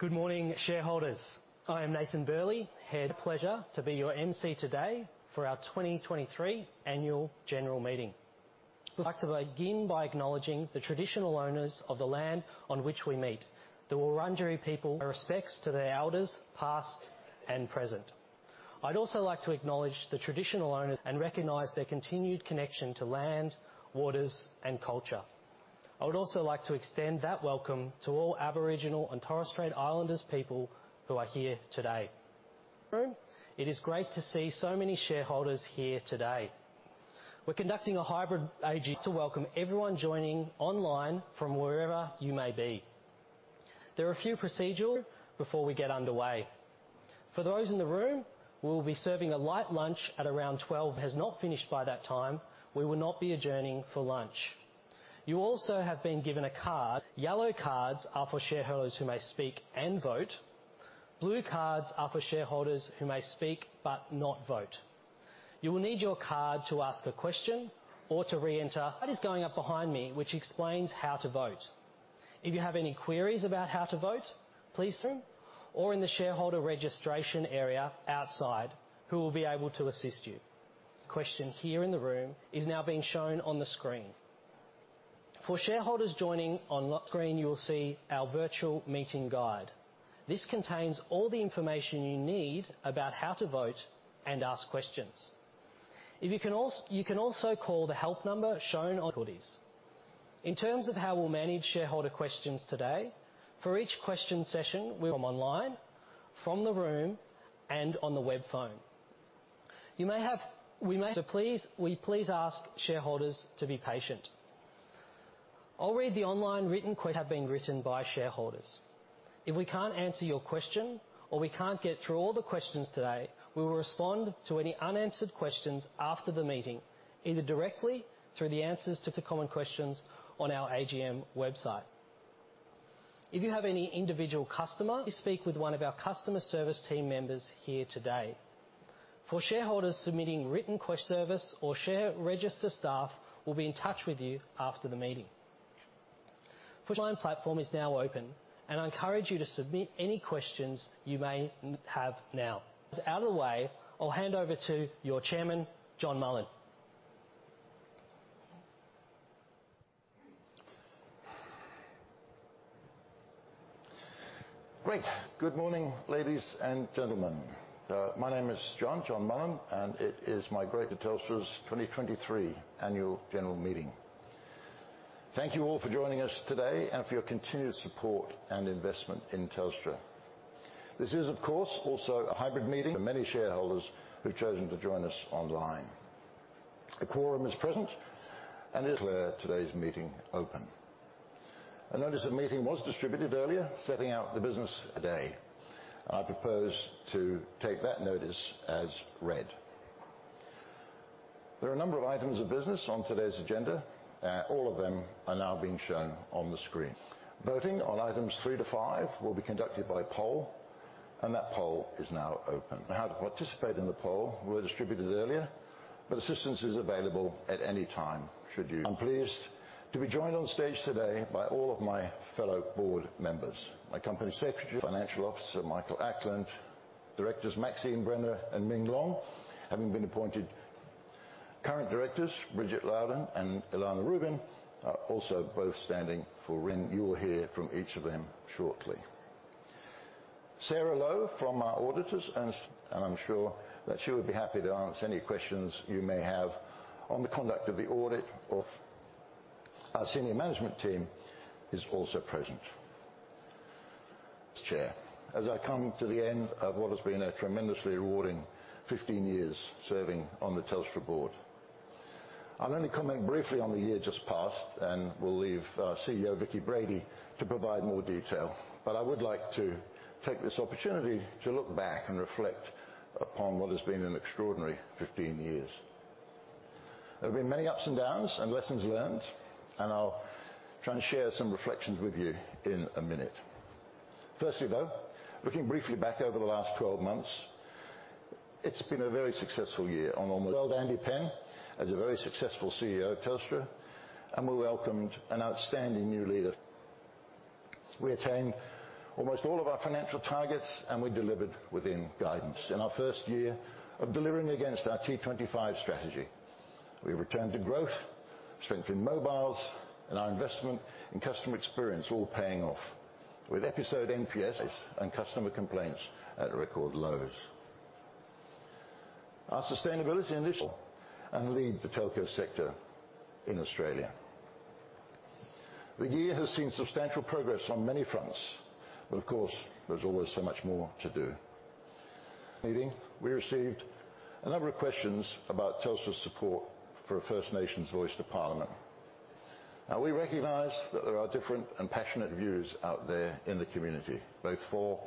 Good morning, shareholders. I am Nathan Burley, Head. Pleasure to be your MC today for our 2023 Annual General Meeting. We'd like to begin by acknowledging the traditional owners of the land on which we meet, the Wurundjeri people, pay our respects to their elders, past and present. I'd also like to acknowledge the traditional owners and recognize their continued connection to land, waters, and culture. I would also like to extend that welcome to all Aboriginal and Torres Strait Islander people who are here today. It is great to see so many shareholders here today. We're conducting a hybrid AG to welcome everyone joining online from wherever you may be. There are a few procedures before we get underway. For those in the room, we will be serving a light lunch at around 12. If the meeting has not finished by that time, we will not be adjourning for lunch. You also have been given a card. Yellow cards are for shareholders who may speak and vote. Blue cards are for shareholders who may speak, but not vote. You will need your card to ask a question or to re-enter. That is going up behind me, which explains how to vote. If you have any queries about how to vote, please, or in the shareholder registration area outside, who will be able to assist you. Questions here in the room are now being shown on the screen. For shareholders joining on screen, you will see our virtual meeting guide. This contains all the information you need about how to vote and ask questions. You can also call the help number shown on the screen. In terms of how we'll manage shareholder questions today, for each question session, we're online, from the room, and on the web phone. So please ask shareholders to be patient. I'll read the online written questions that have been written by shareholders. If we can't answer your question, or we can't get through all the questions today, we will respond to any unanswered questions after the meeting, either directly through the answers to the common questions on our AGM website. If you have any individual customer service, speak with one of our customer service team members here today. For shareholders submitting written questions, service, or share registry staff will be in touch with you after the meeting. The online platform is now open, and I encourage you to submit any questions you may have now. Out of the way, I'll hand over to your Chairman, John Mullen. Great! Good morning, ladies and gentlemen. My name is John, John Mullen, and it is my great to Telstra's 2023 Annual General Meeting. Thank you all for joining us today and for your continued support and investment in Telstra. This is, of course, also a hybrid meeting for many shareholders who've chosen to join us online. The quorum is present, and it declare today's meeting open. A notice of meeting was distributed earlier, setting out the business today. I propose to take that notice as read. There are a number of items of business on today's agenda, all of them are now being shown on the screen. Voting on items three to five will be conducted by poll, and that poll is now open. Now, to participate in the poll, were distributed earlier, but assistance is available at any time, should you. I'm pleased to be joined on stage today by all of my fellow board members. My Company Secretary, Financial Officer, Michael Ackland, Directors Maxine Brenner and Ming Long, having been appointed. Current directors, Bridget Loudon and Elana Rubin, are also both standing for re-election. You will hear from each of them shortly. Sarah Lowe from our auditors, and I'm sure that she would be happy to answer any questions you may have on the conduct of the audit. Our senior management team is also present. Chair, as I come to the end of what has been a tremendously rewarding 15 years serving on the Telstra board. I'll only comment briefly on the year just passed, and we'll leave our CEO, Vicki Brady, to provide more detail. But I would like to take this opportunity to look back and reflect upon what has been an extraordinary 15 years. There have been many ups and downs and lessons learned, and I'll try and share some reflections with you in a minute. Firstly, though, looking briefly back over the last 12 months, it's been a very successful year under Andy Penn, as a very successful CEO of Telstra, and we welcomed an outstanding new leader. We attained almost all of our financial targets, and we delivered within guidance. In our first year of delivering against our T25 strategy, we returned to growth, strengthened mobiles, and our investment in customer experience all paying off. With eNPS and customer complaints at record lows. Our sustainability initiatives lead the telco sector in Australia. The year has seen substantial progress on many fronts, but of course, there's always so much more to do. At the meeting, we received a number of questions about Telstra's support for a First Nations Voice to Parliament. Now, we recognize that there are different and passionate views out there in the community, both for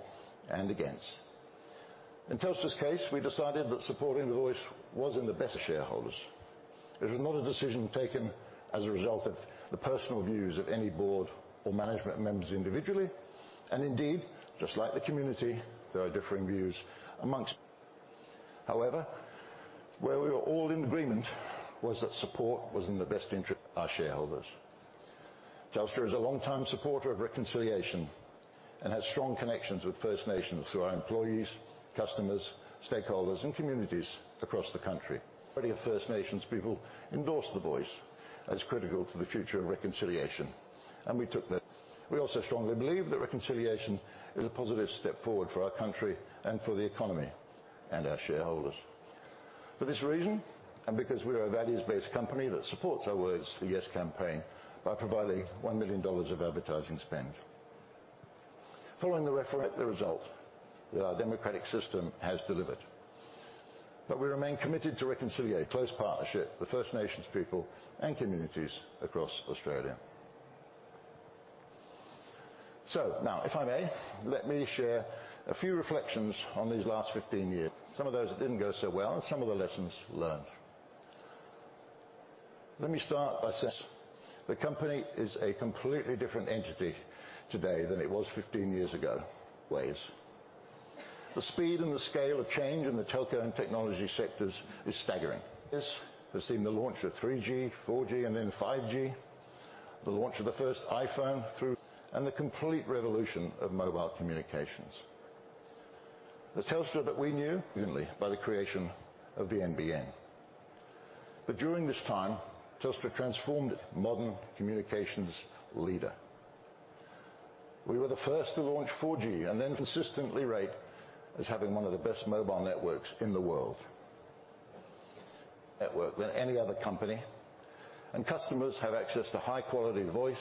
and against. In Telstra's case, we decided that supporting the Voice was in the best shareholders. It was not a decision taken as a result of the personal views of any board or management members individually, and indeed, just like the community, there are differing views amongst. However, where we were all in agreement was that support was in the best interest of our shareholders. Telstra is a long-time supporter of reconciliation and has strong connections with First Nations through our employees, customers, stakeholders, and communities across the country. Many of First Nations people endorsed the voice as critical to the future of reconciliation, and we took that. We also strongly believe that reconciliation is a positive step forward for our country and for the economy and our shareholders. For this reason, and because we are a values-based company that supports our words, the Yes campaign, by providing 1 million dollars of advertising spend. Following the result that our democratic system has delivered, but we remain committed to reconciliation close partnership with First Nations people and communities across Australia. So now, if I may, let me share a few reflections on these last 15 years. Some of those that didn't go so well, and some of the lessons learned. Let me start by saying, the company is a completely different entity today than it was 15 years ago, ways. The speed and the scale of change in the telco and technology sectors is staggering. This has seen the launch of 3G, 4G, and then 5G, the launch of the first iPhone through, and the complete revolution of mobile communications. The Telstra that we knew by the creation of the NBN. But during this time, Telstra transformed modern communications leader. We were the first to launch 4G and then consistently rate as having one of the best mobile networks in the world. Network than any other company, and customers have access to high-quality voice,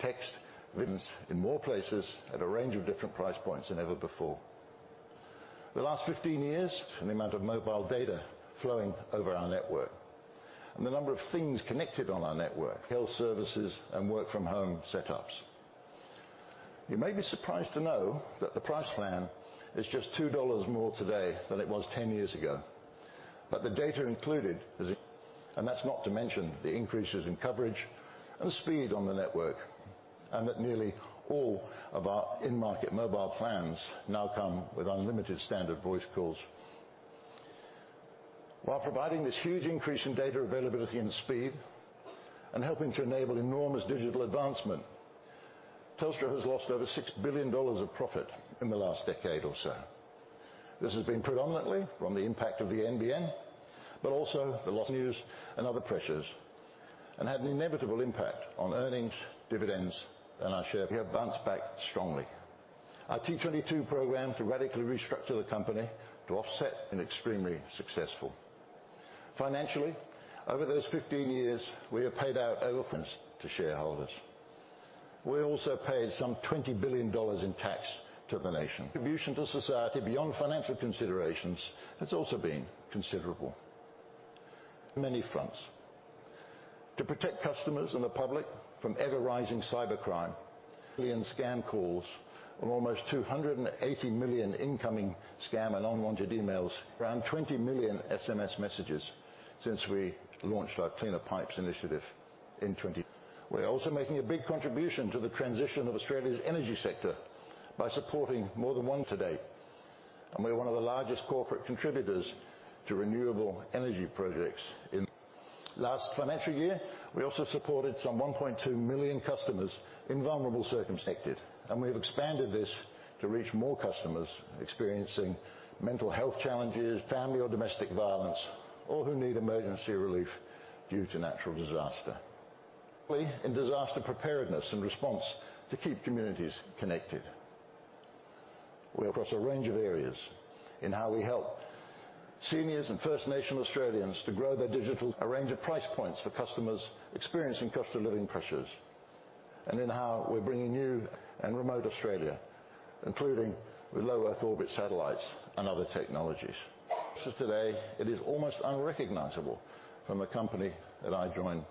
text, videos in more places at a range of different price points than ever before. The last 15 years, and the amount of mobile data flowing over our network and the number of things connected on our network, health services, and work from home setups. You may be surprised to know that the price plan is just 2 dollars more today than it was 10 years ago. But the data included is, and that's not to mention the increases in coverage and speed on the network, and that nearly all of our in-market mobile plans now come with unlimited standard voice calls. While providing this huge increase in data availability and speed, and helping to enable enormous digital advancement, Telstra has lost over 6 billion dollars of profit in the last decade or so. This has been predominantly from the impact of the NBN, but also the loss of news and other pressures, and had an inevitable impact on earnings, dividends, and our shares have bounced back strongly. Our T22 program to radically restructure the company to offset and extremely successful. Financially, over those 15 years, we have paid out over to shareholders. We also paid some 20 billion dollars in tax to the nation. Contribution to society beyond financial considerations has also been considerable. On many fronts. To protect customers and the public from ever-rising cybercrime, 1 million scam calls and almost 280 million incoming scam and unwanted emails, around 20 million SMS messages since we launched our Cleaner Pipes initiative in twenty. We're also making a big contribution to the transition of Australia's energy sector by supporting more than 1 today, and we're one of the largest corporate contributors to renewable energy projects. In last financial year, we also supported some 1.2 million customers in vulnerable circumstances, and we have expanded this to reach more customers experiencing mental health challenges, family or domestic violence, or who need emergency relief due to natural disaster. We in disaster preparedness and response to keep communities connected. We across a range of areas in how we help seniors and First Nation Australians to grow their digital, a range of price points for customers experiencing cost of living pressures, and in how we're bringing new and remote Australia, including with Low Earth Orbit satellites and other technologies. So today, it is almost unrecognizable from the company that I joined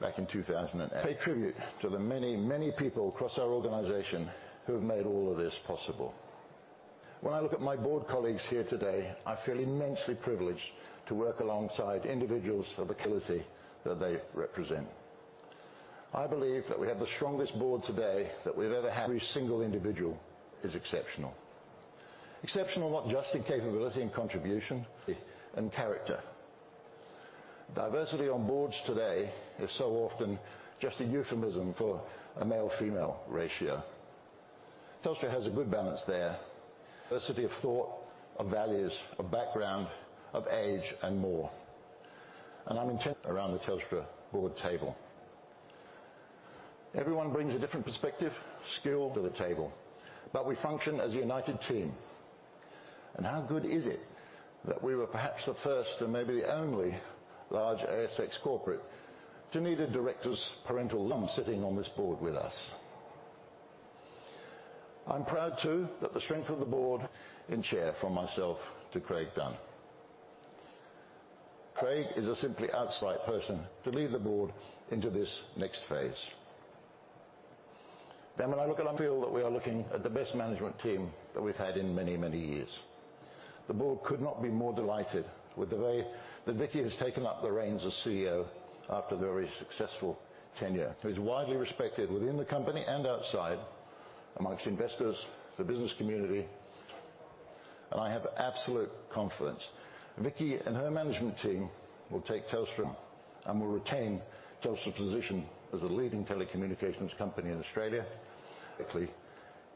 back in 2008. Pay tribute to the many, many people across our organization who have made all of this possible. When I look at my board colleagues here today, I feel immensely privileged to work alongside individuals of the caliber that they represent. I believe that we have the strongest board today that we've ever had. Every single individual is exceptional. Exceptional, not just in capability and contribution, and character. Diversity on boards today is so often just a euphemism for a male-female ratio. Telstra has a good balance there. Diversity of thought, of values, of background, of age, and more. And I'm intent around the Telstra board table. Everyone brings a different perspective, skills to the table, but we function as a united team. And how good is it that we were perhaps the first and maybe the only large ASX corporate to need a director's parental leave sitting on this board with us? I'm proud, too, that the strength of the board and chair from myself to Craig Dunn. Craig is a simply outstanding person to lead the board into this next phase. Then when I look at, I feel that we are looking at the best management team that we've had in many, many years. The board could not be more delighted with the way that Vicki has taken up the reins as CEO after the very successful tenure. She's widely respected within the company and outside among investors, the business community, and I have absolute confidence. Vicki and her management team will take Telstra and will retain Telstra's position as a leading telecommunications company in Australia. Directly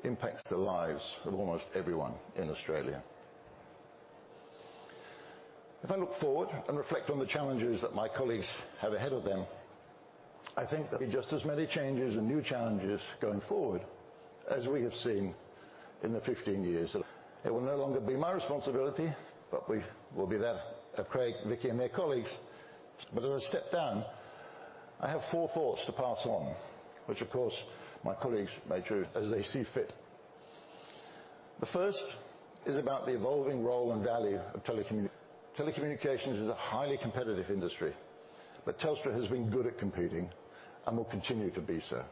impacts the lives of almost everyone in Australia. If I look forward and reflect on the challenges that my colleagues have ahead of them, I think there'll be just as many changes and new challenges going forward as we have seen in the 15 years. It will no longer be my responsibility, but will be that of Craig, Vicki, and their colleagues. But as I step down, I have four thoughts to pass on, which, of course, my colleagues may choose as they see fit. The first is about the evolving role and value of telecommunications. It is a highly competitive industry, but Telstra has been good at competing and will continue to be so.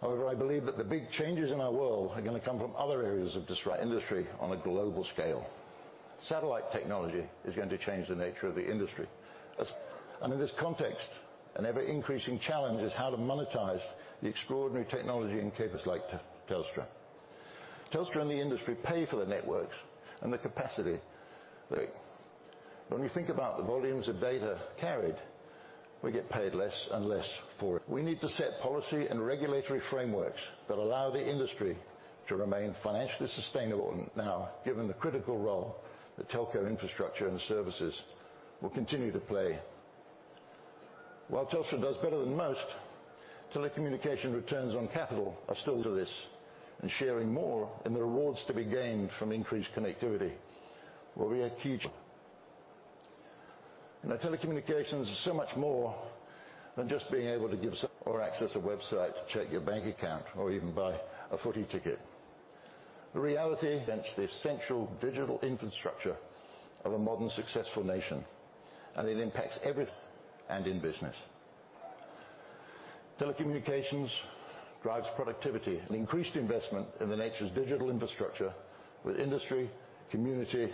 However, I believe that the big changes in our world are going to come from other areas that disrupt the industry on a global scale. Satellite technology is going to change the nature of the industry. And in this context, an ever-increasing challenge is how to monetize the extraordinary technology in CapEx like Telstra. Telstra and the industry pay for the networks and the capacity. When we think about the volumes of data carried, we get paid less and less for it. We need to set policy and regulatory frameworks that allow the industry to remain financially sustainable. Now, given the critical role that telco infrastructure and services will continue to play. While Telstra does better than most, telecommunication returns on capital are still to this, and sharing more in the rewards to be gained from increased connectivity will be a key. You know, telecommunications is so much more than just being able to give or access a website to check your bank account or even buy a footy ticket. The reality, against the essential digital infrastructure of a modern, successful nation, and it impacts every and in business. Telecommunications drives productivity and increased investment in the nature's digital infrastructure with industry, community,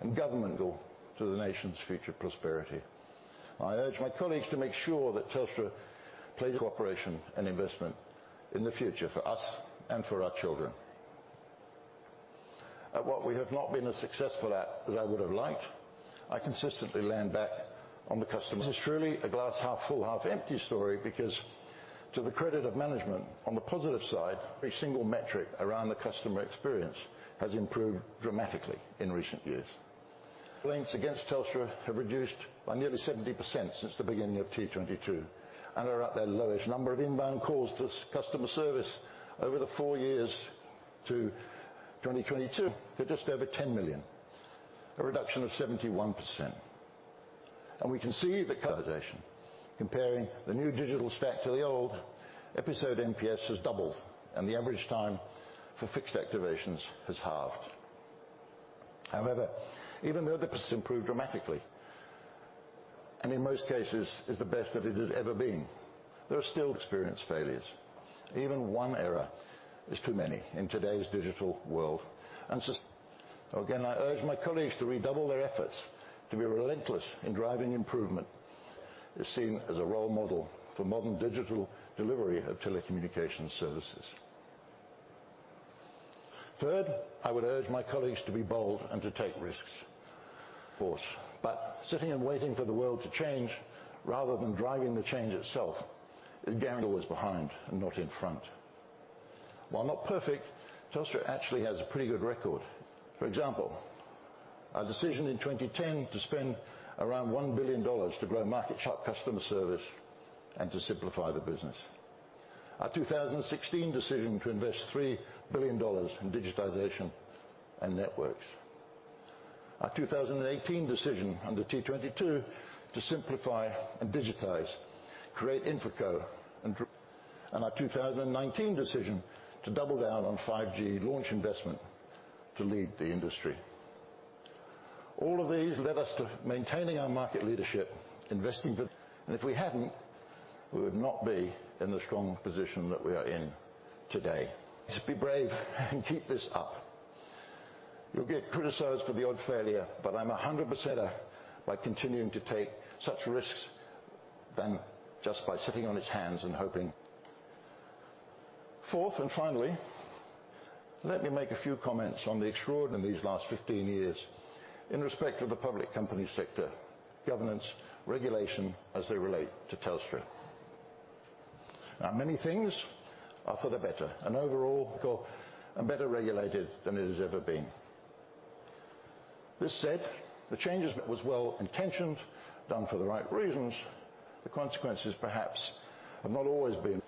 and government, all to the nation's future prosperity. I urge my colleagues to make sure that Telstra plays cooperation and investment in the future for us and for our children. At what we have not been as successful at as I would have liked, I consistently land back on the customer. This is truly a glass half full, half empty story because to the credit of management, on the positive side, every single metric around the customer experience has improved dramatically in recent years. Complaints against Telstra have reduced by nearly 70% since the beginning of T22 and are at their lowest. Number of inbound calls to customer service over the four years to 2022 to just over 10 million, a reduction of 71%. And we can see the comparison. Comparing the new digital stack to the old, Episode NPS has doubled, and the average time for fixed activations has halved. However, even though the business improved dramatically, and in most cases, is the best that it has ever been, there are still experience failures. Even one error is too many in today's digital world. And so, again, I urge my colleagues to redouble their efforts to be relentless in driving improvement, is seen as a role model for modern digital delivery of telecommunications services. Third, I would urge my colleagues to be bold and to take risks. Of course, but sitting and waiting for the world to change rather than driving the change itself is Gandalf was behind and not in front. While not perfect, Telstra actually has a pretty good record. For example, our decision in 2010 to spend around 1 billion dollars to grow market share customer service and to simplify the business. Our 2016 decision to invest 3 billion dollars in digitization and networks. Our 2018 decision under T22 to simplify and digitize, create InfraCo and, and our 2019 decision to double down on 5G launch investment to lead the industry. All of these led us to maintaining our market leadership, investing with, and if we hadn't, we would not be in the strong position that we are in today. Just be brave and keep this up. You'll get criticized for the odd failure, but I'm a 100%er by continuing to take such risks than just by sitting on its hands and hoping. Fourth, and finally, let me make a few comments on the extraordinary these last 15 years in respect to the public company sector, governance, regulation as they relate to Telstra. Now, many things are for the better and overall, and better regulated than it has ever been. This said, the changes was well-intentioned, done for the right reasons. The consequences, perhaps, have not always been.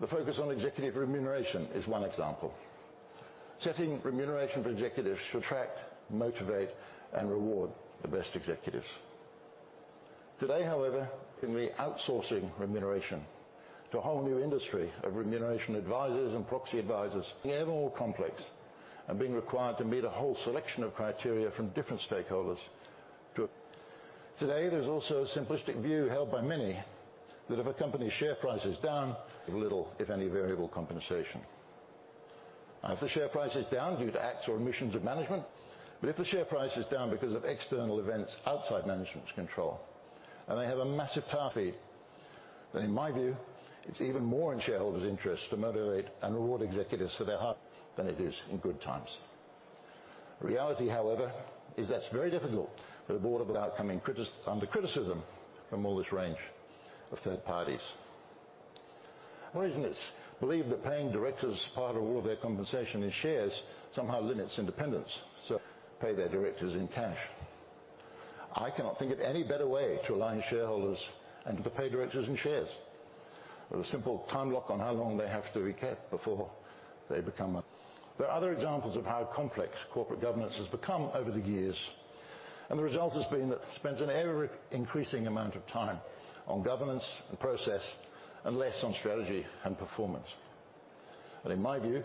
The focus on executive remuneration is one example. Setting remuneration for executives should attract, motivate, and reward the best executives. Today, however, in the outsourcing remuneration to a whole new industry of remuneration advisors and proxy advisors, evermore complex and being required to meet a whole selection of criteria from different stakeholders too. Today, there's also a simplistic view held by many that if a company's share price is down, little, if any, variable compensation. And if the share price is down due to acts or omissions of management. But if the share price is down because of external events outside management's control, and they have a massive target, then in my view, it's even more in shareholders' interest to motivate and reward executives for their hard, than it is in good times. The reality, however, is that's very difficult for the board of the upcoming critic, under criticism from all this range of third parties. Reason is, believe that paying directors part of all of their compensation in shares somehow limits independence, so pay their directors in cash. I cannot think of any better way to align shareholders and to pay directors in shares, with a simple time lock on how long they have to be kept before they become a, there are other examples of how complex corporate governance has become over the years, and the result has been that it spends an ever-increasing amount of time on governance and process, and less on strategy and performance. But in my view,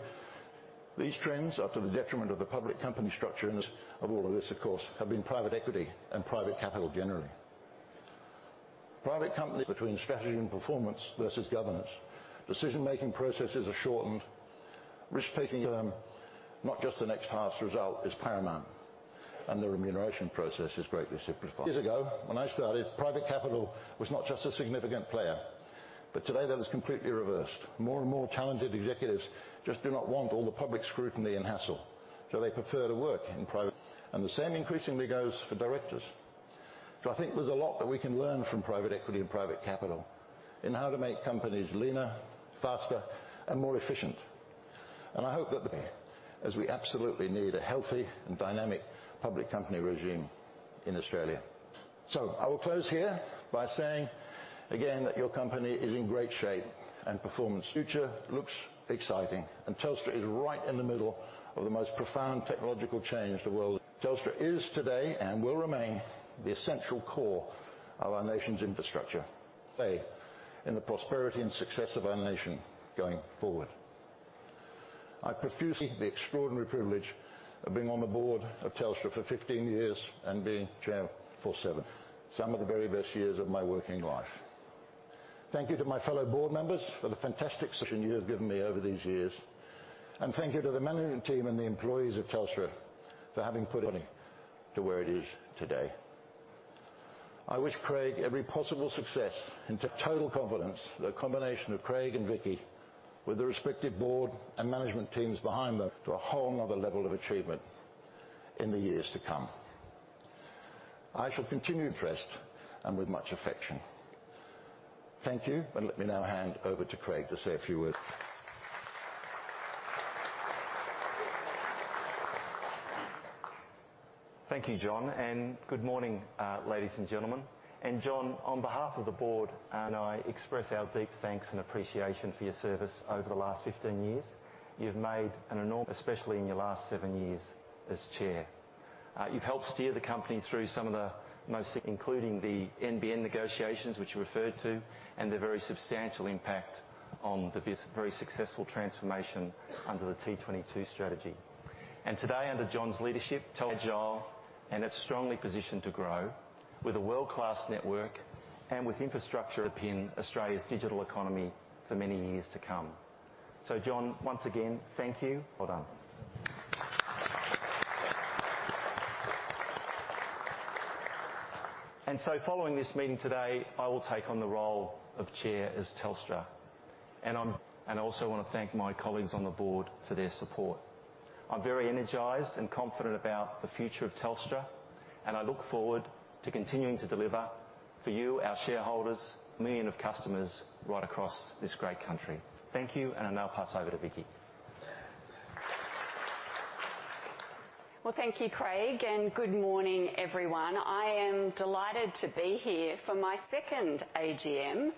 these trends are to the detriment of the public company structure, and of all of this, of course, have been private equity and private capital generally. Private companies between strategy and performance versus governance. Decision-making processes are shortened. Risk-taking term, not just the next half's result, is paramount, and the remuneration process is greatly simplified. Years ago, when I started, private capital was not just a significant player, but today that is completely reversed. More and more talented executives just do not want all the public scrutiny and hassle, so they prefer to work in private, and the same increasingly goes for directors. So I think there's a lot that we can learn from private equity and private capital in how to make companies leaner, faster, and more efficient. And I hope that there, as we absolutely need a healthy and dynamic public company regime in Australia. So I will close here by saying again, that your company is in great shape and performance future looks exciting, and Telstra is right in the middle of the most profound technological change the world. Telstra is today, and will remain, the essential core of our nation's infrastructure play in the prosperity and success of our nation going forward. I appreciate the extraordinary privilege of being on the board of Telstra for 15 years and being chair for seven. Some of the very best years of my working life. Thank you to my fellow board members for the fantastic support you have given me over these years, and thank you to the management team and the employees of Telstra for having put it to where it is today. I wish Craig every possible success, and with total confidence, the combination of Craig and Vicki, with the respective board and management teams behind them, to a whole another level of achievement in the years to come. I shall continue impressed and with much affection. Thank you, and let me now hand over to Craig to say a few words. Thank you, John, and good morning, ladies and gentlemen. John, on behalf of the board, I express our deep thanks and appreciation for your service over the last 15 years. You've made an enormous, especially in your last seven years as chair. You've helped steer the company through some of the most, including the NBN negotiations, which you referred to, and the very substantial impact on the very successful transformation under the T22 strategy. Today, under John's leadership, Telstra is agile, and it's strongly positioned to grow with a world-class network and with infrastructure in Australia's digital economy for many years to come. So John, once again, thank you. Well done. And so following this meeting today, I will take on the role of Chair at Telstra. And I also want to thank my colleagues on the board for their support. I'm very energized and confident about the future of Telstra, and I look forward to continuing to deliver for you, our shareholders, million of customers, right across this great country. Thank you, and I'll now pass over to Vicki. Well, thank you, Craig, and good morning, everyone. I am delighted to be here for my second AGM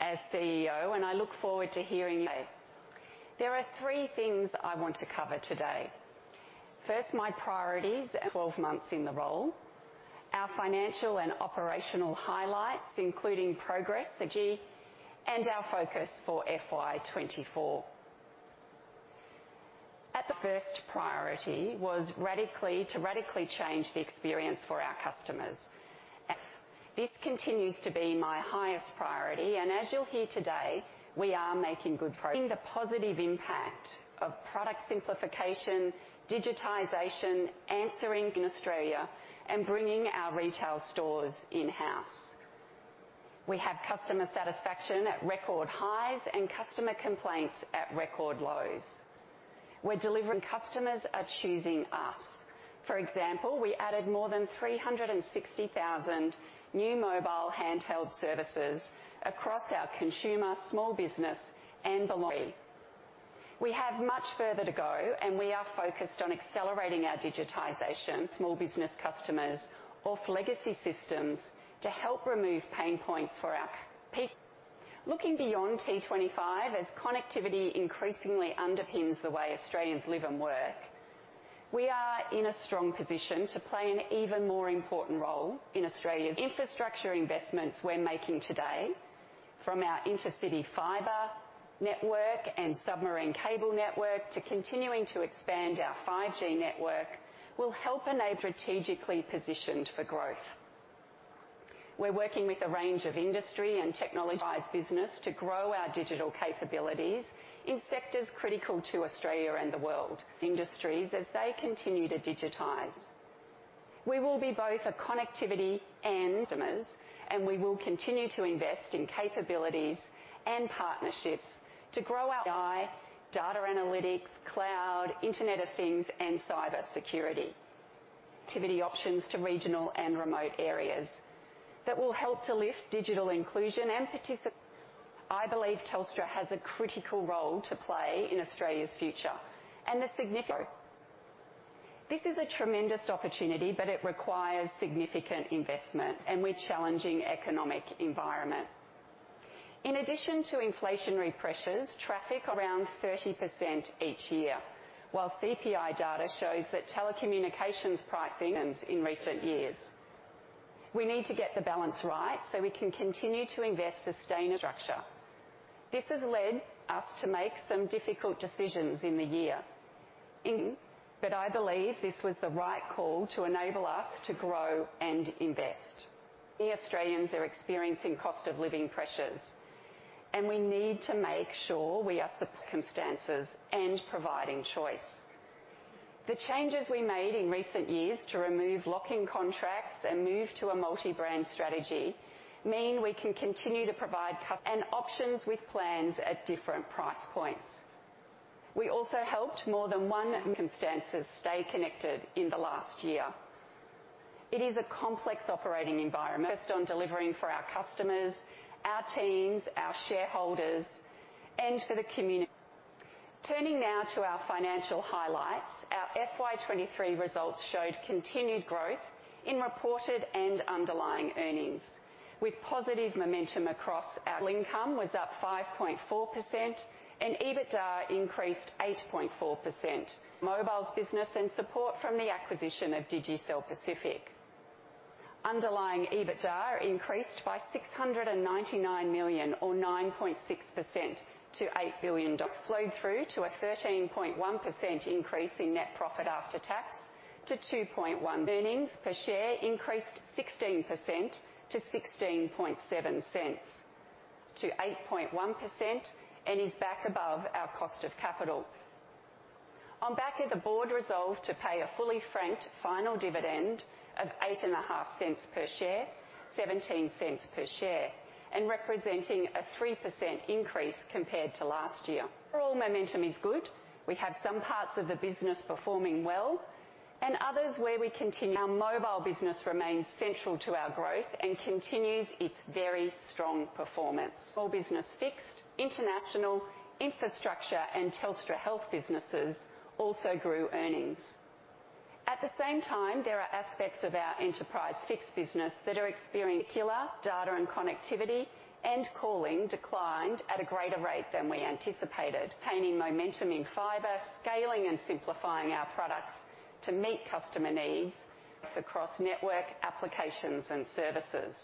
as CEO, and I look forward to hearing you. There are three things I want to cover today. First, my priorities and 12 months in the role, our financial and operational highlights, including progress, energy, and our focus for FY 2024. The first priority was to radically change the experience for our customers. This continues to be my highest priority, and as you'll hear today, we are making good progress. In the positive impact of product simplification, digitization, answering in Australia, and bringing our retail stores in-house. We have customer satisfaction at record highs and customer complaints at record lows. We're delivering, customers are choosing us. For example, we added more than 360,000 new mobile handheld services across our consumer, small business, and Belong. We have much further to go, and we are focused on accelerating our digitization, small business customers off legacy systems to help remove pain points for our people. Looking beyond T25, as connectivity increasingly underpins the way Australians live and work, we are in a strong position to play an even more important role in Australia. Infrastructure investments we're making today, from our Intercity fiber network and submarine cable network, to continuing to expand our 5G network, will help and strategically positioned for growth. We're working with a range of industry and technology businesses to grow our digital capabilities in sectors critical to Australia and the world, industries as they continue to digitize. We will be both a connectivity and customers, and we will continue to invest in capabilities and partnerships to grow our AI, data analytics, cloud, Internet of Things, and cybersecurity. Activity options to regional and remote areas that will help to lift digital inclusion and participate. I believe Telstra has a critical role to play in Australia's future and the significant. This is a tremendous opportunity, but it requires significant investment and with challenging economic environment. In addition to inflationary pressures, traffic around 30% each year, while CPI data shows that telecommunications pricing in recent years. We need to get the balance right so we can continue to invest sustainably. This has led us to make some difficult decisions in the year, but I believe this was the right call to enable us to grow and invest. The Australians are experiencing cost of living pressures, and we need to make sure we are circumstances and providing choice. The changes we made in recent years to remove locking contracts and move to a multi-brand strategy mean we can continue to provide customer options with plans at different price points. We also helped more than 1 million customers stay connected in the last year. It is a complex operating environment based on delivering for our customers, our teams, our shareholders, and for the community. Turning now to our financial highlights. Our FY 2023 results showed continued growth in reported and underlying earnings, with positive momentum across our mobile business and support from the acquisition of Digicel Pacific. Income was up 5.4%, and EBITDA increased 8.4%. Underlying EBITDA increased by 699 million or 9.6% to 8 billion dollars, flowed through to a 13.1% increase in net profit after tax to 2.1 billion. Earnings per share increased 16% to 0.167 to 8.1% and is back above our cost of capital. On the back of the board resolved to pay a fully franked final dividend of 0.085 per share, 0.17 per share, and representing a 3% increase compared to last year. Overall momentum is good. We have some parts of the business performing well and others where we continue. Our mobile business remains central to our growth and continues its very strong performance. All business, fixed, international, infrastructure, and Telstra Health businesses also grew earnings. At the same time, there are aspects of our enterprise fixed business that are experiencing lower data and connectivity, and calling declined at a greater rate than we anticipated. Maintaining momentum in fiber, scaling and simplifying our products to meet customer needs across network, applications and services.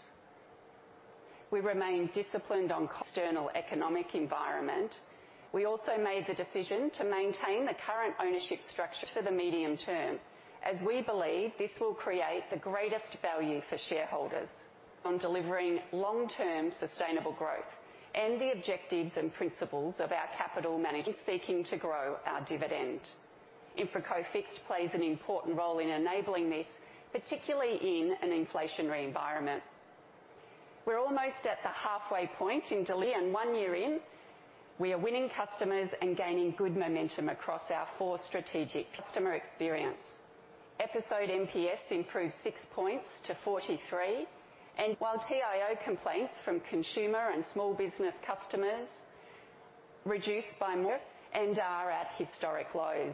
We remain disciplined on external economic environment. We also made the decision to maintain the current ownership structure for the medium term, as we believe this will create the greatest value for shareholders on delivering long-term sustainable growth and the objectives and principles of our capital management, seeking to grow our dividend. Infraco Fixed plays an important role in enabling this, particularly in an inflationary environment. We're almost at the halfway point in T25, and one year in, we are winning customers and gaining good momentum across our four strategic customer experience. Episode NPS improved six points to 43, and while TIO complaints from consumer and small business customers reduced by more and are at historic lows.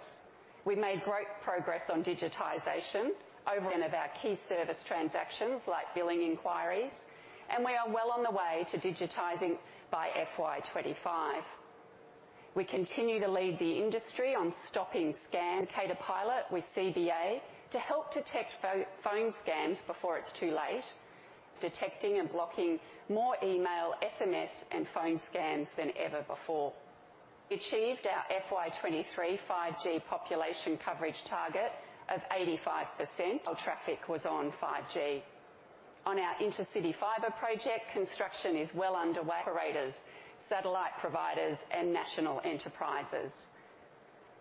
We've made great progress on digitization over our key service transactions, like billing inquiries, and we are well on thway to digitizing by FY 2025. We continue to lead the industry on stopping scam caller pilot with CBA to help detect phone scams before it's too late, detecting and blocking more email, SMS, and phone scams than ever before. We achieved our FY 2023 5G population coverage target of 85%. All traffic was on 5G. On our Intercity Fibre project, construction is well underway, operators, satellite providers, and national enterprises.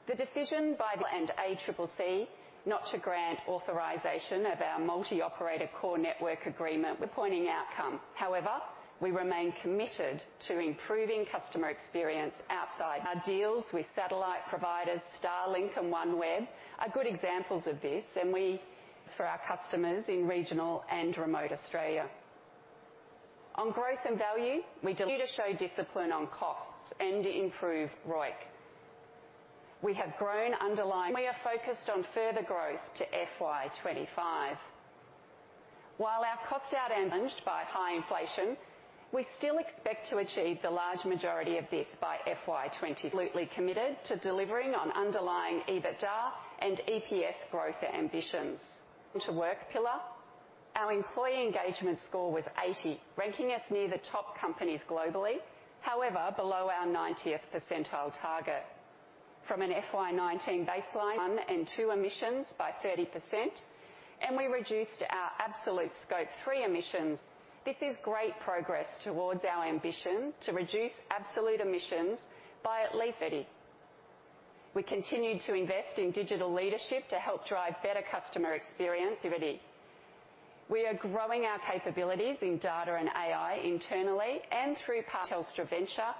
The decision by the ACCC not to grant authorization of our multi-operator core network agreement, we're disappointing outcome. However, we remain committed to improving customer experience outside our deals with satellite providers, Starlink and OneWeb are good examples of this, and we offer for our customers in regional and remote Australia. On growth and value, we continue to show discipline on costs and improve ROIC. We have grown underlying. We are focused on further growth to FY 2025. While our cost-out amid high inflation, we still expect to achieve the large majority of this by FY 2020. Absolutely committed to delivering on underlying EBITDA and EPS growth ambitions. Our work pillar, our employee engagement score was 80, ranking us near the top companies globally, however, below our 90th percentile target. From an FY 2019 baseline, one and two emissions by 30%, and we reduced our absolute scope three emissions. This is great progress towards our ambition to reduce absolute emissions by at least 30%. We continued to invest in digital leadership to help drive better customer experience already. We are growing our capabilities in data and AI internally and through Telstra Ventures,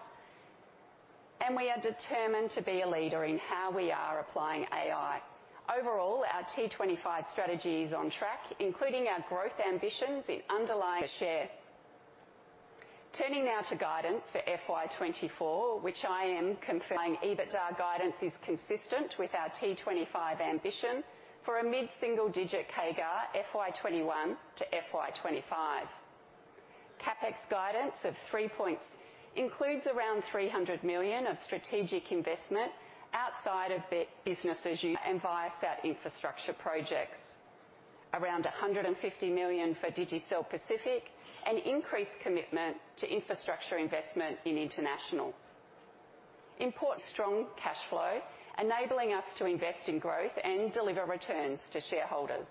and we are determined to be a leader in how we are applying AI. Overall, our T25 strategy is on track, including our growth ambitions in underlying share. Turning now to guidance for FY 2024, which I am confirming, EBITDA guidance is consistent with our T25 ambition for a mid-single-digit CAGR, FY 2021 to FY 2025. CapEx guidance of 3 points includes around 300 million of strategic investment outside of the business as usual, and via our infrastructure projects. Around 150 million for Digicel Pacific, an increased commitment to infrastructure investment in international. Important strong cash flow, enabling us to invest in growth and deliver returns to shareholders.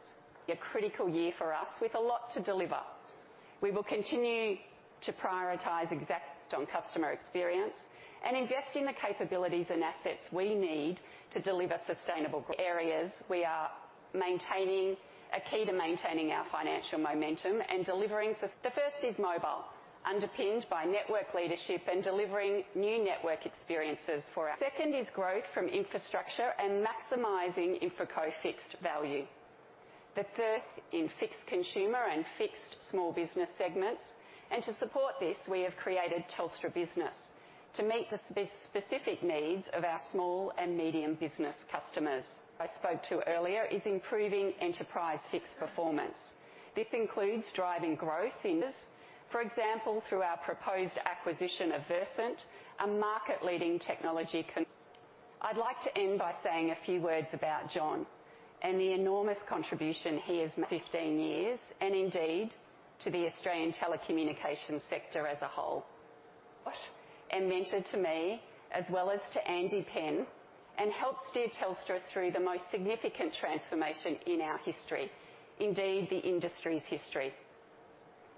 A critical year for us with a lot to deliver. We will continue to prioritize execution on customer experience and invest in the capabilities and assets we need to deliver sustainable growth. These are key to maintaining our financial momentum and delivering sustainable. The first is mobile, underpinned by network leadership and delivering new network experiences for our customers. Second is growth from infrastructure and maximizing Infraco Fixed value. The third, in fixed consumer and fixed small business segments, and to support this, we have created Telstra Business to meet the specific needs of our small and medium business customers. I spoke to earlier, is improving enterprise fixed performance. This includes driving growth in this, for example, through our proposed acquisition of Versent, a market-leading technology. I'd like to end by saying a few words about John and the enormous contribution he has made 15 years, and indeed, to the Australian telecommunications sector as a whole. And mentor to me, as well as to Andy Penn, and helped steer Telstra through the most significant transformation in our history, indeed, the industry's history.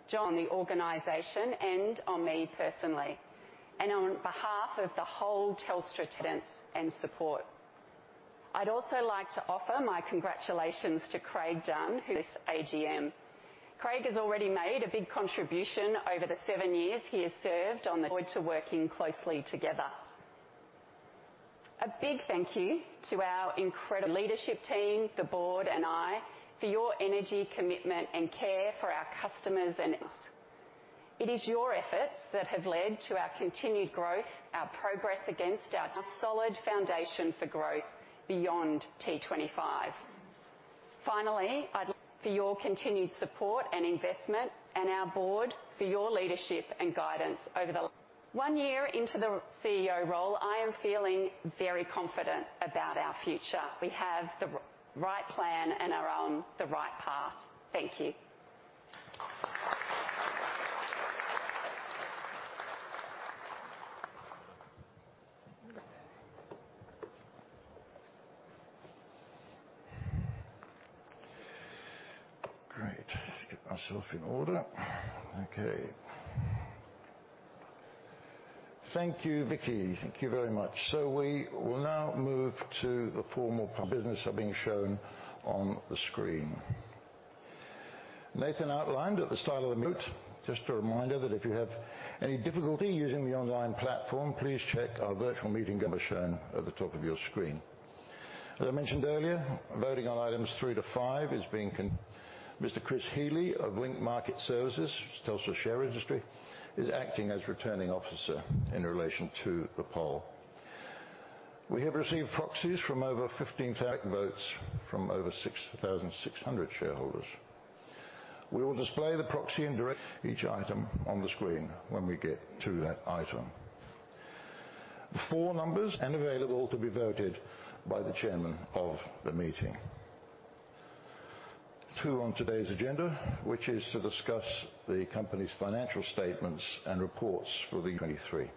John, the organization, and on me personally, and on behalf of the whole Telstra team, and support. I'd also like to offer my congratulations to Craig Dunn, who is Chair. Craig has already made a big contribution over the seven years he has served on the board to working closely together. A big thank you to our incredible leadership team, the board, and I, for your energy, commitment, and care for our customers and us. It is your efforts that have led to our continued growth, our progress against our solid foundation for growth beyond T25. Finally, I'd like to thank you for your continued support and investment, and our board, for your leadership and guidance over the years. One year into the CEO role, I am feeling very confident about our future. We have the right plan and are on the right path. Thank you. Great. Let's get ourselves in order. Okay. Thank you, Vicki. Thank you very much. So we will now move to the formal business is being shown on the screen. Nathan outlined at the start of the meeting, just a reminder that if you have any difficulty using the online platform, please check our virtual meeting shown at the top of your screen. As I mentioned earlier, voting on items three-five is being considered. Mr. Chris Healy of Link Market Services, Telstra Share Registry, is acting as Returning Officer in relation to the poll. We have received proxies from over 15,000 votes from over 6,600 shareholders. We will display the proxy and direct each item on the screen when we get to that item. The form numbers are available to be voted by the chairman of the meeting. Two on today's agenda, which is to discuss the Company's financial statements and reports for 2023.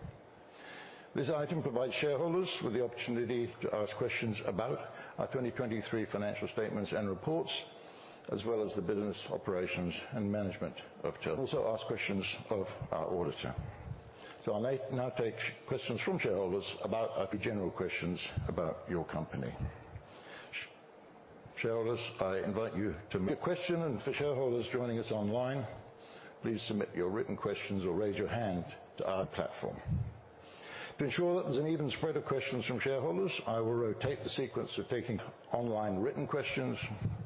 This item provides shareholders with the opportunity to ask questions about our 2023 financial statements and reports, as well as the business operations and management of Telstra. Also, ask questions of our auditor. So I may now take questions from shareholders about the general questions about your company. Shareholders, I invite you to your question, and for shareholders joining us online, please submit your written questions or raise your hand to our platform. To ensure that there's an even spread of questions from shareholders, I will rotate the sequence of taking online written questions,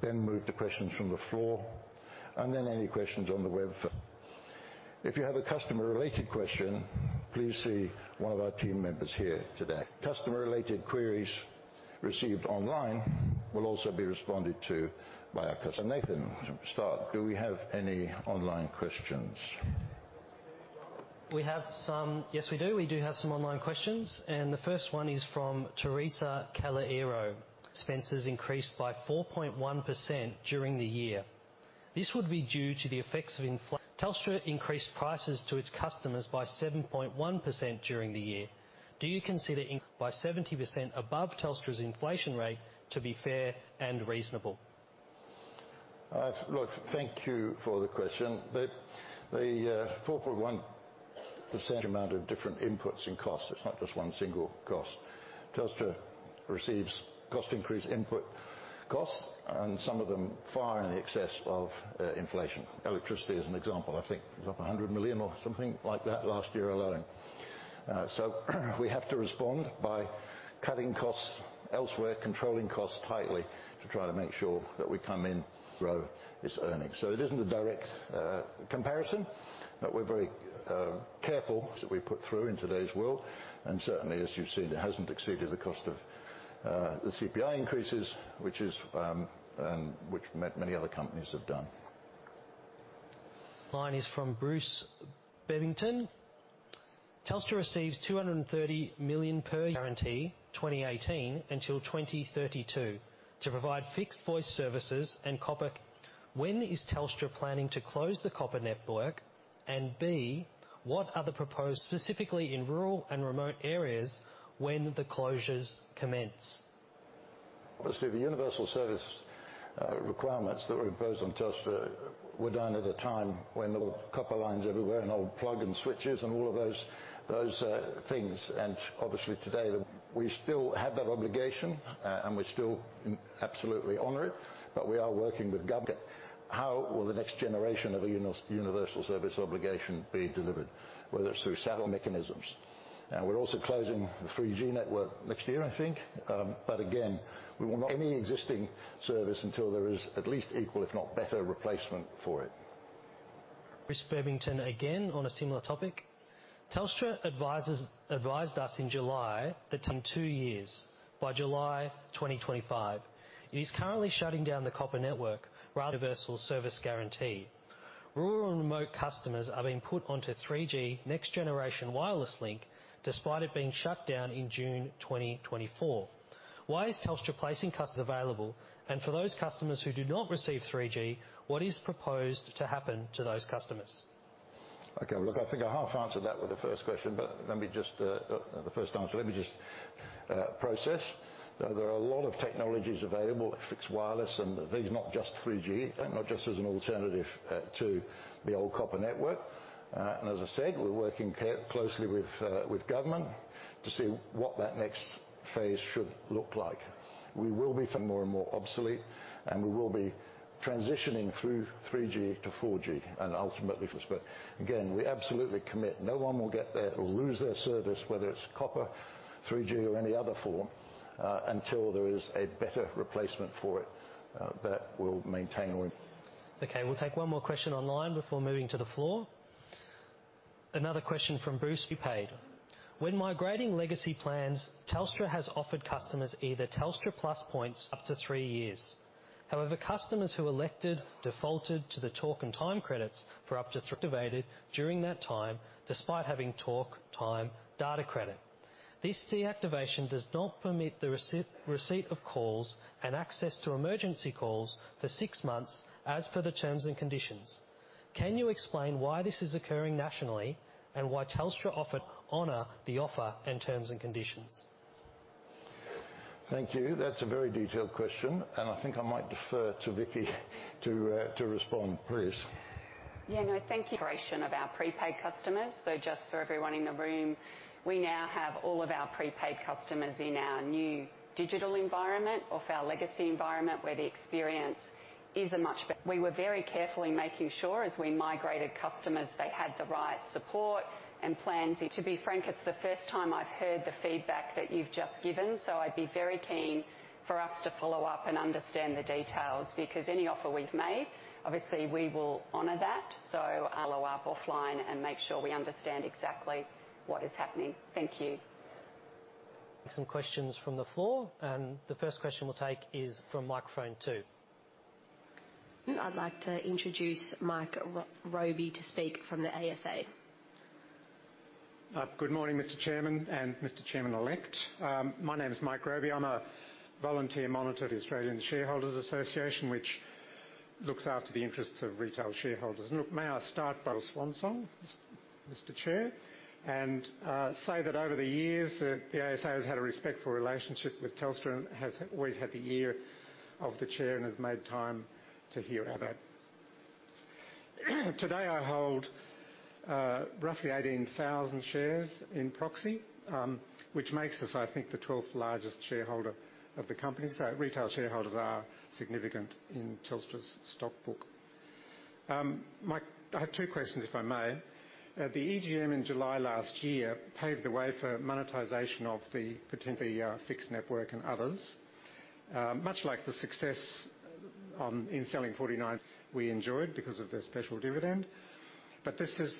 then move to questions from the floor, and then any questions on the web. If you have a customer-related question, please see one of our team members here today. Customer-related queries received online will also be responded to by our customer. Nathan, to start, do we have any online questions? We have some. Yes, we do. We do have some online questions, and the first one is from Teresa Calero. Spencers increased by 4.1% during the year. This would be due to the effects of inflation. Telstra increased prices to its customers by 7.1% during the year. Do you consider by 70% above Telstra's inflation rate to be fair and reasonable? Look, thank you for the question. But the 4.1% amount of different inputs and costs, it's not just one single cost. Telstra receives cost increase input costs, and some of them far in excess of inflation. Electricity is an example. I think it was up 100 million or something like that last year alone. So we have to respond by cutting costs elsewhere, controlling costs tightly, to try to make sure that we come in grow this earnings. So it isn't a direct comparison, but we're very careful that we put through in today's world, and certainly, as you've seen, it hasn't exceeded the cost of the CPI increases, which is, and which many other companies have done. Line is from Bruce Bebbington. Telstra receives 230 million per guarantee, 2018 until 2032, to provide fixed voice services and copper. When is Telstra planning to close the copper network, and B, what are the proposed, specifically in rural and remote areas, when the closures commence? Obviously, the universal service requirements that were imposed on Telstra were done at a time when there were copper lines everywhere, and old plug and switches and all of those things. Obviously today, we still have that obligation, and we still absolutely honor it, but we are working with government. How will the next generation of a universal service obligation be delivered, whether it's through satellite mechanisms? And we're also closing the 3G network next year, I think. But again, we want any existing service until there is at least equal, if not better, replacement for it. Chris Bebington again, on a similar topic. Telstra advised us in July that in two years, by July 2025, it is currently shutting down the copper network, Universal Service Guarantee. Rural and remote customers are being put onto 3G next generation wireless link, despite it being shut down in June 2024. Why is Telstra placing customers available? And for those customers who do not receive 3G, what is proposed to happen to those customers? Okay, look, I think I half answered that with the first question, but let me just. The first answer, let me just process. There are a lot of technologies available, fixed, wireless, and these not just 3G, and not just as an alternative to the old copper network. And as I said, we're working closely with government to see what that next phase should look like. We will be more and more obsolete, and we will be transitioning through 3G to 4G and ultimately 5G. Again, we absolutely commit, no one will lose their service, whether it's copper, 3G, or any other form until there is a better replacement for it. But we'll maintain. Okay, we'll take one more question online before moving to the floor. Another question from Bruce Yap. When migrating legacy plans, Telstra has offered customers either Telstra plus points up to three years. However, customers who elected defaulted to the talk and time credits for up to three, activated during that time, despite having talk, time, data credit. This deactivation does not permit the receipt of calls and access to emergency calls for six months, as per the terms and conditions. Can you explain why this is occurring nationally, and why Telstra offered honor the offer and terms and conditions? Thank you. That's a very detailed question, and I think I might defer to Vicki to respond. Please. Yeah, no, thank you. Creation of our prepaid customers. So just for everyone in the room, we now have all of our prepaid customers in our new digital environment, off our legacy environment, where the experience is much better. We were very carefully making sure as we migrated customers, they had the right support and plans. To be frank, it's the first time I've heard the feedback that you've just given, so I'd be very keen for us to follow up and understand the details, because any offer we've made, obviously we will honor that. So I'll follow up offline and make sure we understand exactly what is happening. Thank you. Some questions from the floor, and the first question we'll take is from microphone 2. I'd like to introduce Mike Robey to speak from the ASA. Good morning, Mr. Chairman and Mr. Chairman-elect. My name is Mike Robey. I'm a volunteer monitor at the Australian Shareholders Association, which looks after the interests of retail shareholders. Look, may I start by saying, Mr. Chair, and say that over the years, the ASA has had a respectful relationship with Telstra and has always had the ear of the chair and has made time to hear about. Today, I hold roughly 18,000 shares in proxy, which makes us, I think, the twelfth largest shareholder of the company. So retail shareholders are significant in Telstra's stock book. Mike, I have two questions, if I may. The EGM in July last year paved the way for monetization of the potentially fixed network and others. Much like the success in selling 49 we enjoyed because of the special dividend. But this is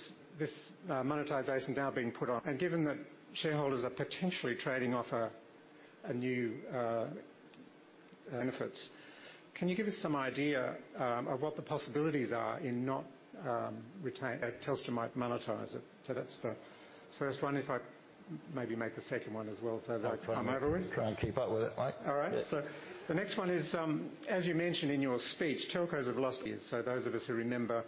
monetization now being put on, and given that shareholders are potentially trading off a new benefits. Can you give us some idea of what the possibilities are in not that Telstra might monetize it? So that's the first one, if I maybe make the second one as well, so they'll come over with. Try and keep up with it, mate. All right. Yes. So the next one is, as you mentioned in your speech, telcos have lost it. So those of us who remember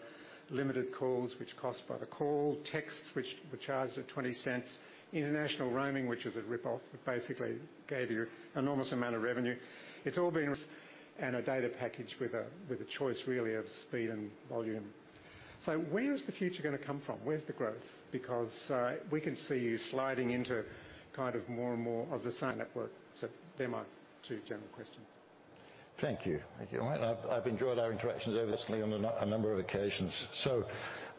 limited calls, which cost by the call, texts, which were charged at 0.20, international roaming, which is a rip-off, that basically gave you enormous amount of revenue. It's all been, and a data package with a, with a choice really of speed and volume. So where is the future gonna come from? Where's the growth? Because, we can see you sliding into kind of more and more of the same network. So they're my two general questions. Thank you. Thank you. Well, I've enjoyed our interactions over this on a number of occasions. So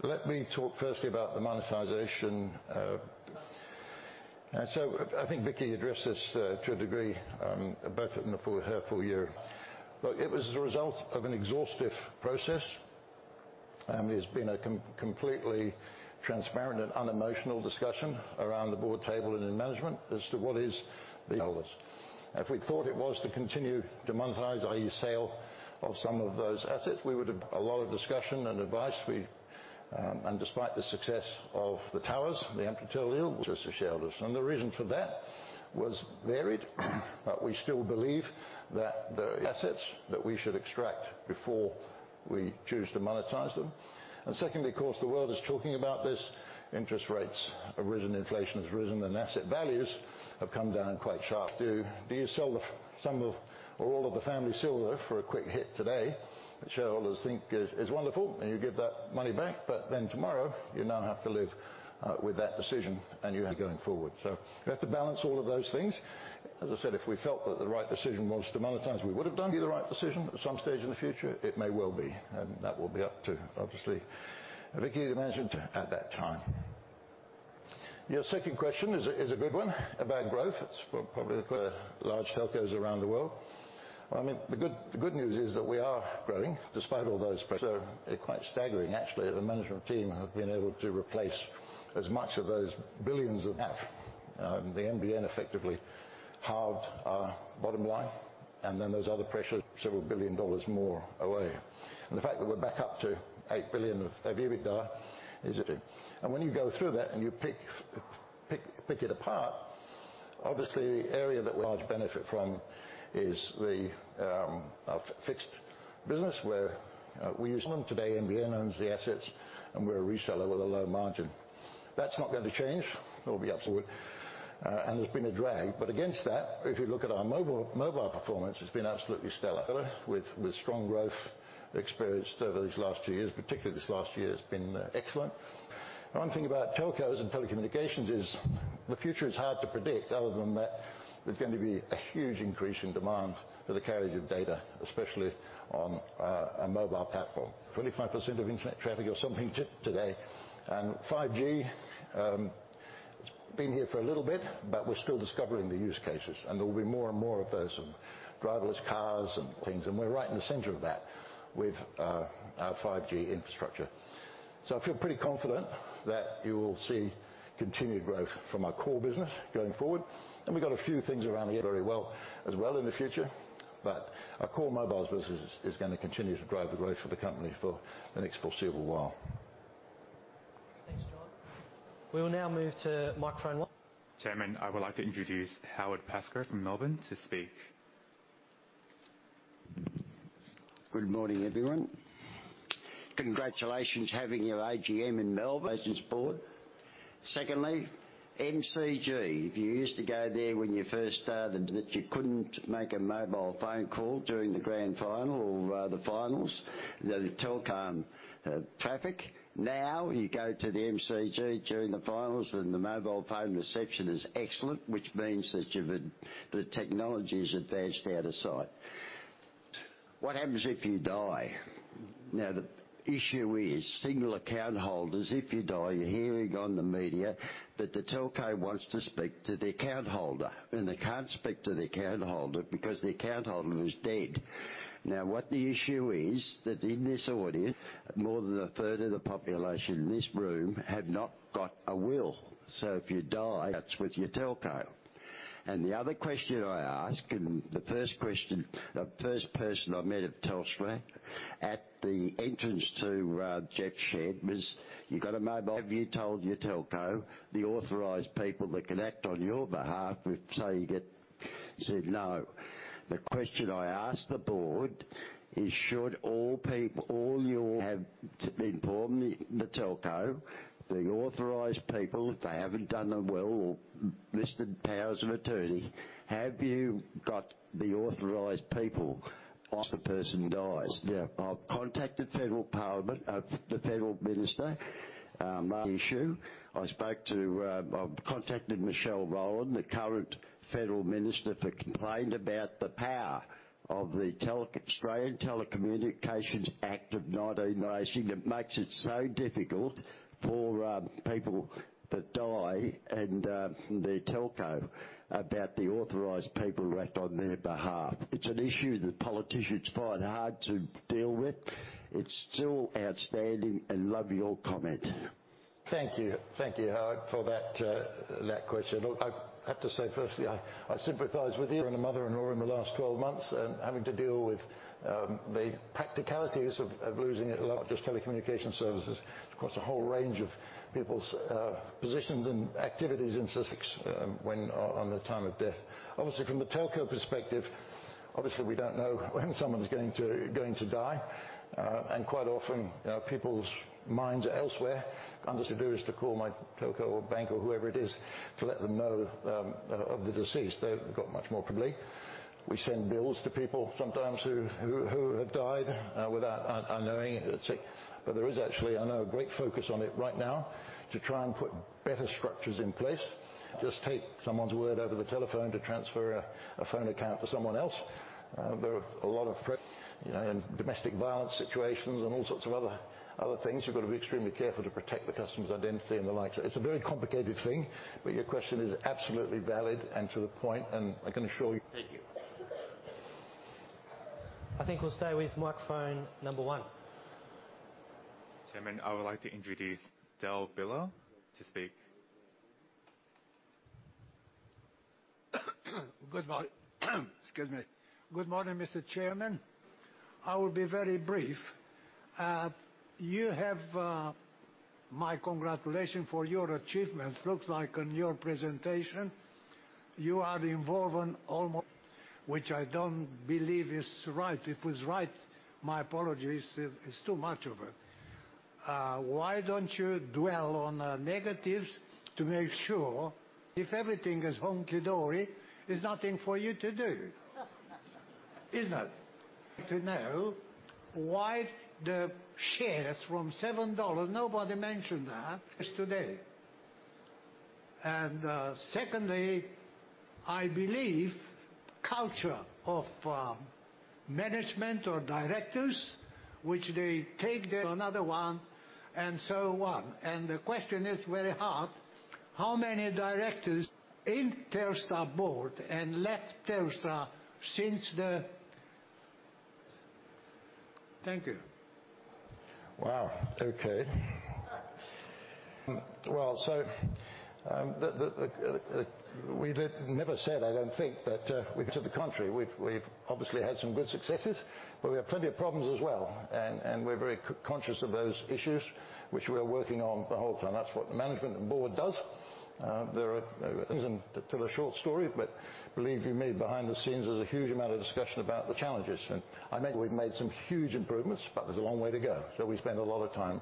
let me talk firstly about the monetization. And so I think Vicki addressed this to a degree both in her full year. Look, it was as a result of an exhaustive process, and it's been a completely transparent and unemotional discussion around the board table and in management as to what is the best. If we thought it was to continue to monetize, i.e., sale of some of those assets, we would have a lot of discussion and advice. We and despite the success of the towers, the Amplitel, just the shareholders. And the reason for that was varied, but we still believe that the assets that we should extract before we choose to monetize them. And secondly, of course, the world is talking about this. Interest rates have risen, inflation has risen, and asset values have come down quite sharply. Do you sell some of or all of the family silver for a quick hit today that shareholders think is wonderful, and you give that money back, but then tomorrow you now have to live with that decision, and you are going forward. So you have to balance all of those things. As I said, if we felt that the right decision was to monetize, we would have done. Be the right decision at some stage in the future, it may well be, and that will be up to, obviously, Vicki, the management at that time. Your second question is a good one about growth. It's probably for large telcos around the world. I mean, the good news is that we are growing despite all those pressure. They're quite staggering, actually. The management team have been able to replace as much of those billions of half. The NBN effectively halved our bottom line, and then those other pressures, several billion AUD away. And the fact that we're back up to 8 billion of EBITDA. And when you go through that and you pick it apart, obviously, the area that large benefit from is our fixed business, where we use them. Today, NBN owns the assets and we're a reseller with a low margin. That's not going to change. It'll be absolute, and there's been a drag. But against that, if you look at our mobile performance, it's been absolutely stellar. With strong growth experienced over these last two years, particularly this last year, has been excellent. One thing about telcos and telecommunications is the future is hard to predict other than that there's going to be a huge increase in demand for the carriage of data, especially on a mobile platform. 25% of internet traffic or something today. And 5G, it's been here for a little bit, but we're still discovering the use cases, and there will be more and more of those, and driverless cars and things. And we're right in the center of that with our 5G infrastructure. So I feel pretty confident that you will see continued growth from our core business going forward. And we've got a few things around here very well as well in the future. Our core mobiles business is going to continue to drive the growth for the company for the next foreseeable while. Thanks, John. We will now move to microphone one. Chairman, I would like to introduce Howard Pascoe from Melbourne to speak. Good morning, everyone. Congratulations having your AGM in Melbourne. Congratulations, board. Secondly, MCG, if you used to go there when you first started, that you couldn't make a mobile phone call during the grand final or the finals, the telecom traffic. Now, you go to the MCG during the finals, and the mobile phone reception is excellent, which means that you've been the technology has advanced out of sight. What happens if you die? Now, the issue is single account holders, if you die, you're hearing on the media that the telco wants to speak to the account holder, and they can't speak to the account holder because the account holder is dead. Now, what the issue is, that in this audience, more than a third of the population in this room have not got a will. So if you die, that's with your telco. The other question I ask, the first question, the first person I met at Telstra, at the entrance to Jeff Shed, was: You got a mobile? Have you told your telco, the authorized people that can act on your behalf if, say, you get. He said, "No." The question I asked the board is should all people, all your have been born the telco, the authorized people, if they haven't done a will or listed powers of attorney, have you got the authorized people if the person dies? Now, I've contacted Federal Parliament, the Federal Minister, issue. I spoke to - I've contacted Michelle Rowland, the current Federal Minister, for complaint about the power of the Telecommunications Australian Telecommunications Act of 1990. It makes it so difficult for people that die and their telco about the authorized people to act on their behalf. It's an issue that politicians find hard to deal with. It's still outstanding and love your comment. Thank you. Thank you, Howard, for that, that question. I have to say, firstly, I sympathize with you and a mother-in-law in the last 12 months and having to deal with the practicalities of losing a lot, just telecommunication services. Of course, a whole range of people's positions and activities in suspense, when on the time of death. Obviously, from the telco perspective, we don't know when someone's going to die. And quite often, you know, people's minds are elsewhere. And to do is to call my telco or bank or whoever it is, to let them know of the deceased. They've got much more probably. We send bills to people sometimes who have died without our knowing. But there is actually, I know, a great focus on it right now to try and put better structures in place. Just take someone's word over the telephone to transfer a phone account to someone else. There are a lot of pre- you know, and domestic violence situations and all sorts of other, other things. You've got to be extremely careful to protect the customer's identity and the like. So it's a very complicated thing, but your question is absolutely valid and to the point, and I can assure you. Thank you. I think we'll stay with microphone number one. Chairman, I would like to introduce Dal Biller to speak. Good morning, Mr. Chairman. I will be very brief. You have my congratulations for your achievements. Looks like on your presentation, you are involved in almost, which I don't believe is right. If it's right, my apologies, it's too much of it. Why don't you dwell on the negatives to make sure if everything is hunky-dory, there's nothing for you to do? Isn't it? To know why the shares from 7 dollars, nobody mentioned that, is today. And secondly, I believe culture of management or directors, which they take them another one and so on. And the question is very hard. How many directors in Telstra board and left Telstra since the... Thank you. Wow! Okay. Well, so, we never said, I don't think, that we've to the country. We've obviously had some good successes, but we have plenty of problems as well, and we're very conscious of those issues, which we are working on the whole time. That's what the management and board does. It isn't a short story, but believe you me, behind the scenes, there's a huge amount of discussion about the challenges. And I think we've made some huge improvements, but there's a long way to go. So we spend a lot of time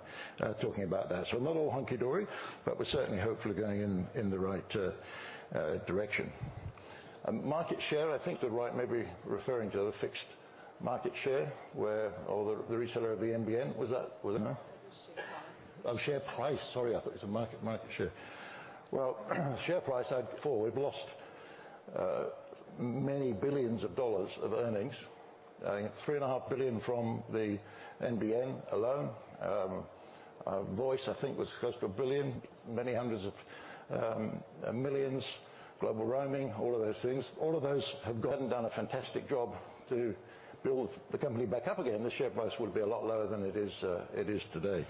talking about that. So we're not all hunky-dory, but we're certainly hopefully going in the right direction. Market share, I think you're right, maybe referring to the fixed market share, where or the reseller of the NBN. Was that, was it? No. Share price. Oh, share price. Sorry, I thought it was a market, market share. Well, share price, I'd before. We've lost many billions of AUD of earnings. 3.5 billion from the NBN alone. Voice, I think, was close to 1 billion, many hundreds of millions, global roaming, all of those things. All of those have gotten done a fantastic job to build the company back up again. The share price would be a lot lower than it is, it is today.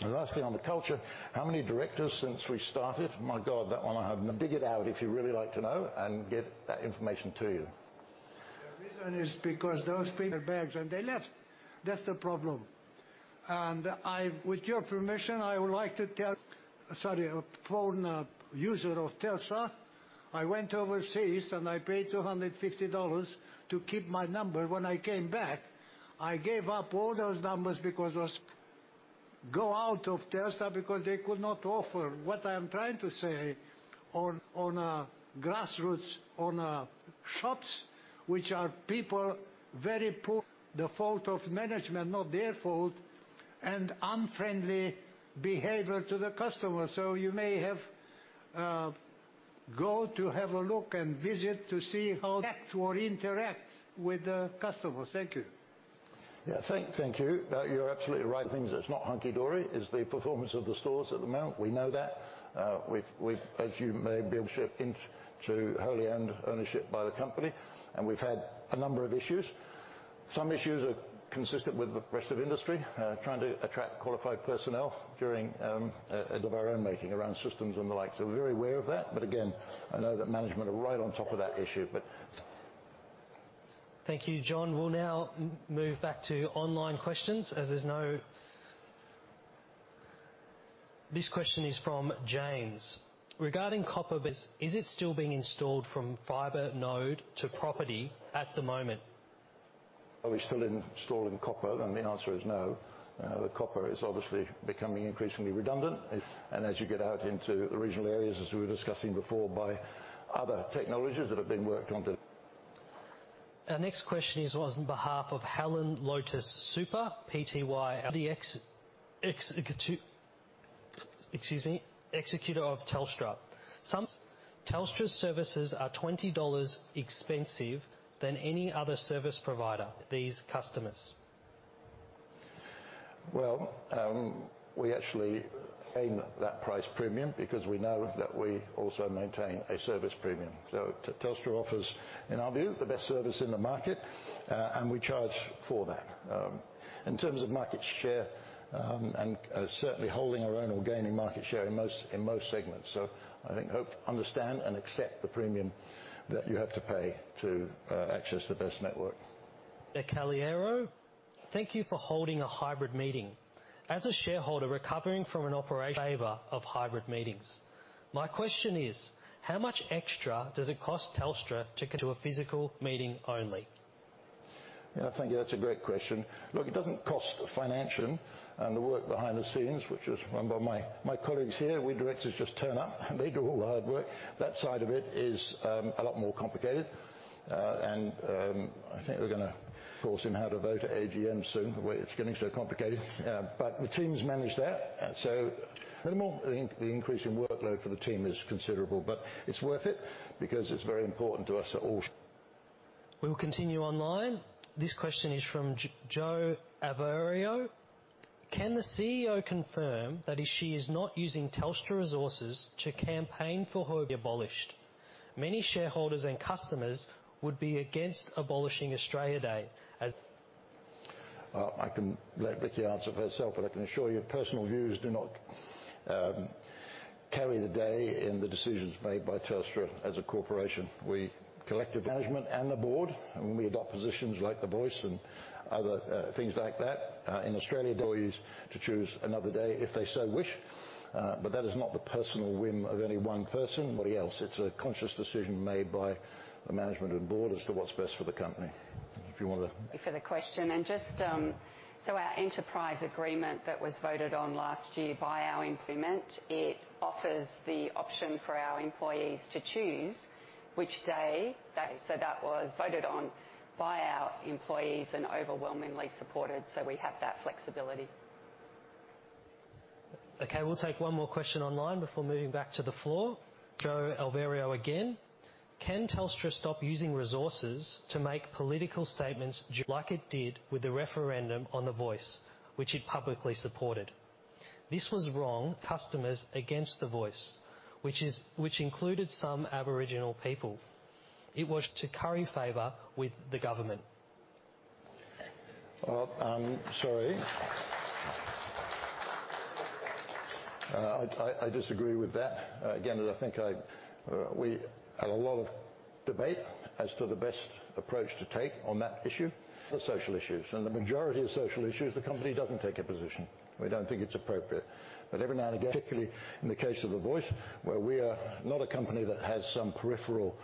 And lastly, on the culture, how many directors since we started? My God, that one I have to dig it out, if you'd really like to know, and get that information to you. The reason is because those people, their bags, and they left. That's the problem. And I, with your permission, I would like to tell. Sorry, a phone user of Telstra. I went overseas, and I paid 250 dollars to keep my number. When I came back, I gave up all those numbers because I go out of Telstra because they could not offer. What I am trying to say on, on a grassroots, on shops, which are people very poor, the fault of management, not their fault, and unfriendly behavior to the customer. So you may have go to have a look and visit to see how that or interact with the customers. Thank you. Yeah, thank you. You're absolutely right. Things, it's not hunky-dory, is the performance of the stores at the moment. We know that. We've, we've, as you may be able to wholly owned ownership by the company, and we've had a number of issues. Some issues are consistent with the rest of industry, trying to attract qualified personnel during of our own making around systems and the like. So we're very aware of that. But again, I know that management are right on top of that issue, but, Thank you, John. We'll now move back to online questions as there's no... This question is from James: Regarding copper-based, is it still being installed from fiber node to property at the moment? Are we still installing copper? The answer is no. The copper is obviously becoming increasingly redundant. If, and as you get out into the regional areas, as we were discussing before, by other technologies that have been worked on to- Our next question is, was on behalf of Helen Lotas Super Pty, Excuse me, executor of Telstra. Some Telstra services are 20 dollars expensive than any other service provider, these customers. Well, we actually pay that price premium because we know that we also maintain a service premium. So Telstra offers, in our view, the best service in the market, and we charge for that. In terms of market share, and, certainly holding our own or gaining market share in most, in most segments. So I think, hope, understand, and accept the premium that you have to pay to, access the best network. De Caliero: Thank you for holding a hybrid meeting. As a shareholder, recovering from an operation, in favor of hybrid meetings. My question is: How much extra does it cost Telstra to do a physical meeting only? Yeah, thank you. That's a great question. Look, it doesn't cost financially, and the work behind the scenes, which is run by my, my colleagues here, we directors just turn up and they do all the hard work. That side of it is a lot more complicated. And I think we're gonna, of course, have to vote at AGM soon. It's getting so complicated, but the team's managed that. So no more. I think the increase in workload for the team is considerable, but it's worth it because it's very important to us that all, We will continue online. This question is from Joe Averio. Can the CEO confirm that she is not using Telstra resources to campaign for her-abolished? Many shareholders and customers would be against abolishing Australia Day as- I can let Vicki answer for herself, but I can assure you, personal views do not carry the day in the decisions made by Telstra as a corporation. We, collective management and the board, and when we adopt positions like the Voice and other things like that in Australia, employees to choose another day if they so wish, but that is not the personal whim of any one person or anybody else. It's a conscious decision made by the management and board as to what's best for the company. If you want to. Thank you for the question. And just so, our enterprise agreement that was voted on last year by our employees, it offers the option for our employees to choose which day. So that was voted on by our employees and overwhelmingly supported, so we have that flexibility. Okay, we'll take one more question online before moving back to the floor. Jo Averio again: Can Telstra stop using resources to make political statements like it did with the referendum on the Voice, which it publicly supported? This was wrong. Customers against the Voice, which included some Aboriginal people. It was to curry favor with the government. Well, sorry. I disagree with that. Again, I think we had a lot of debate as to the best approach to take on that issue, for social issues, and the majority of social issues, the company doesn't take a position. We don't think it's appropriate. But every now and again, particularly in the case of the Voice, where we are not a company that has some peripheral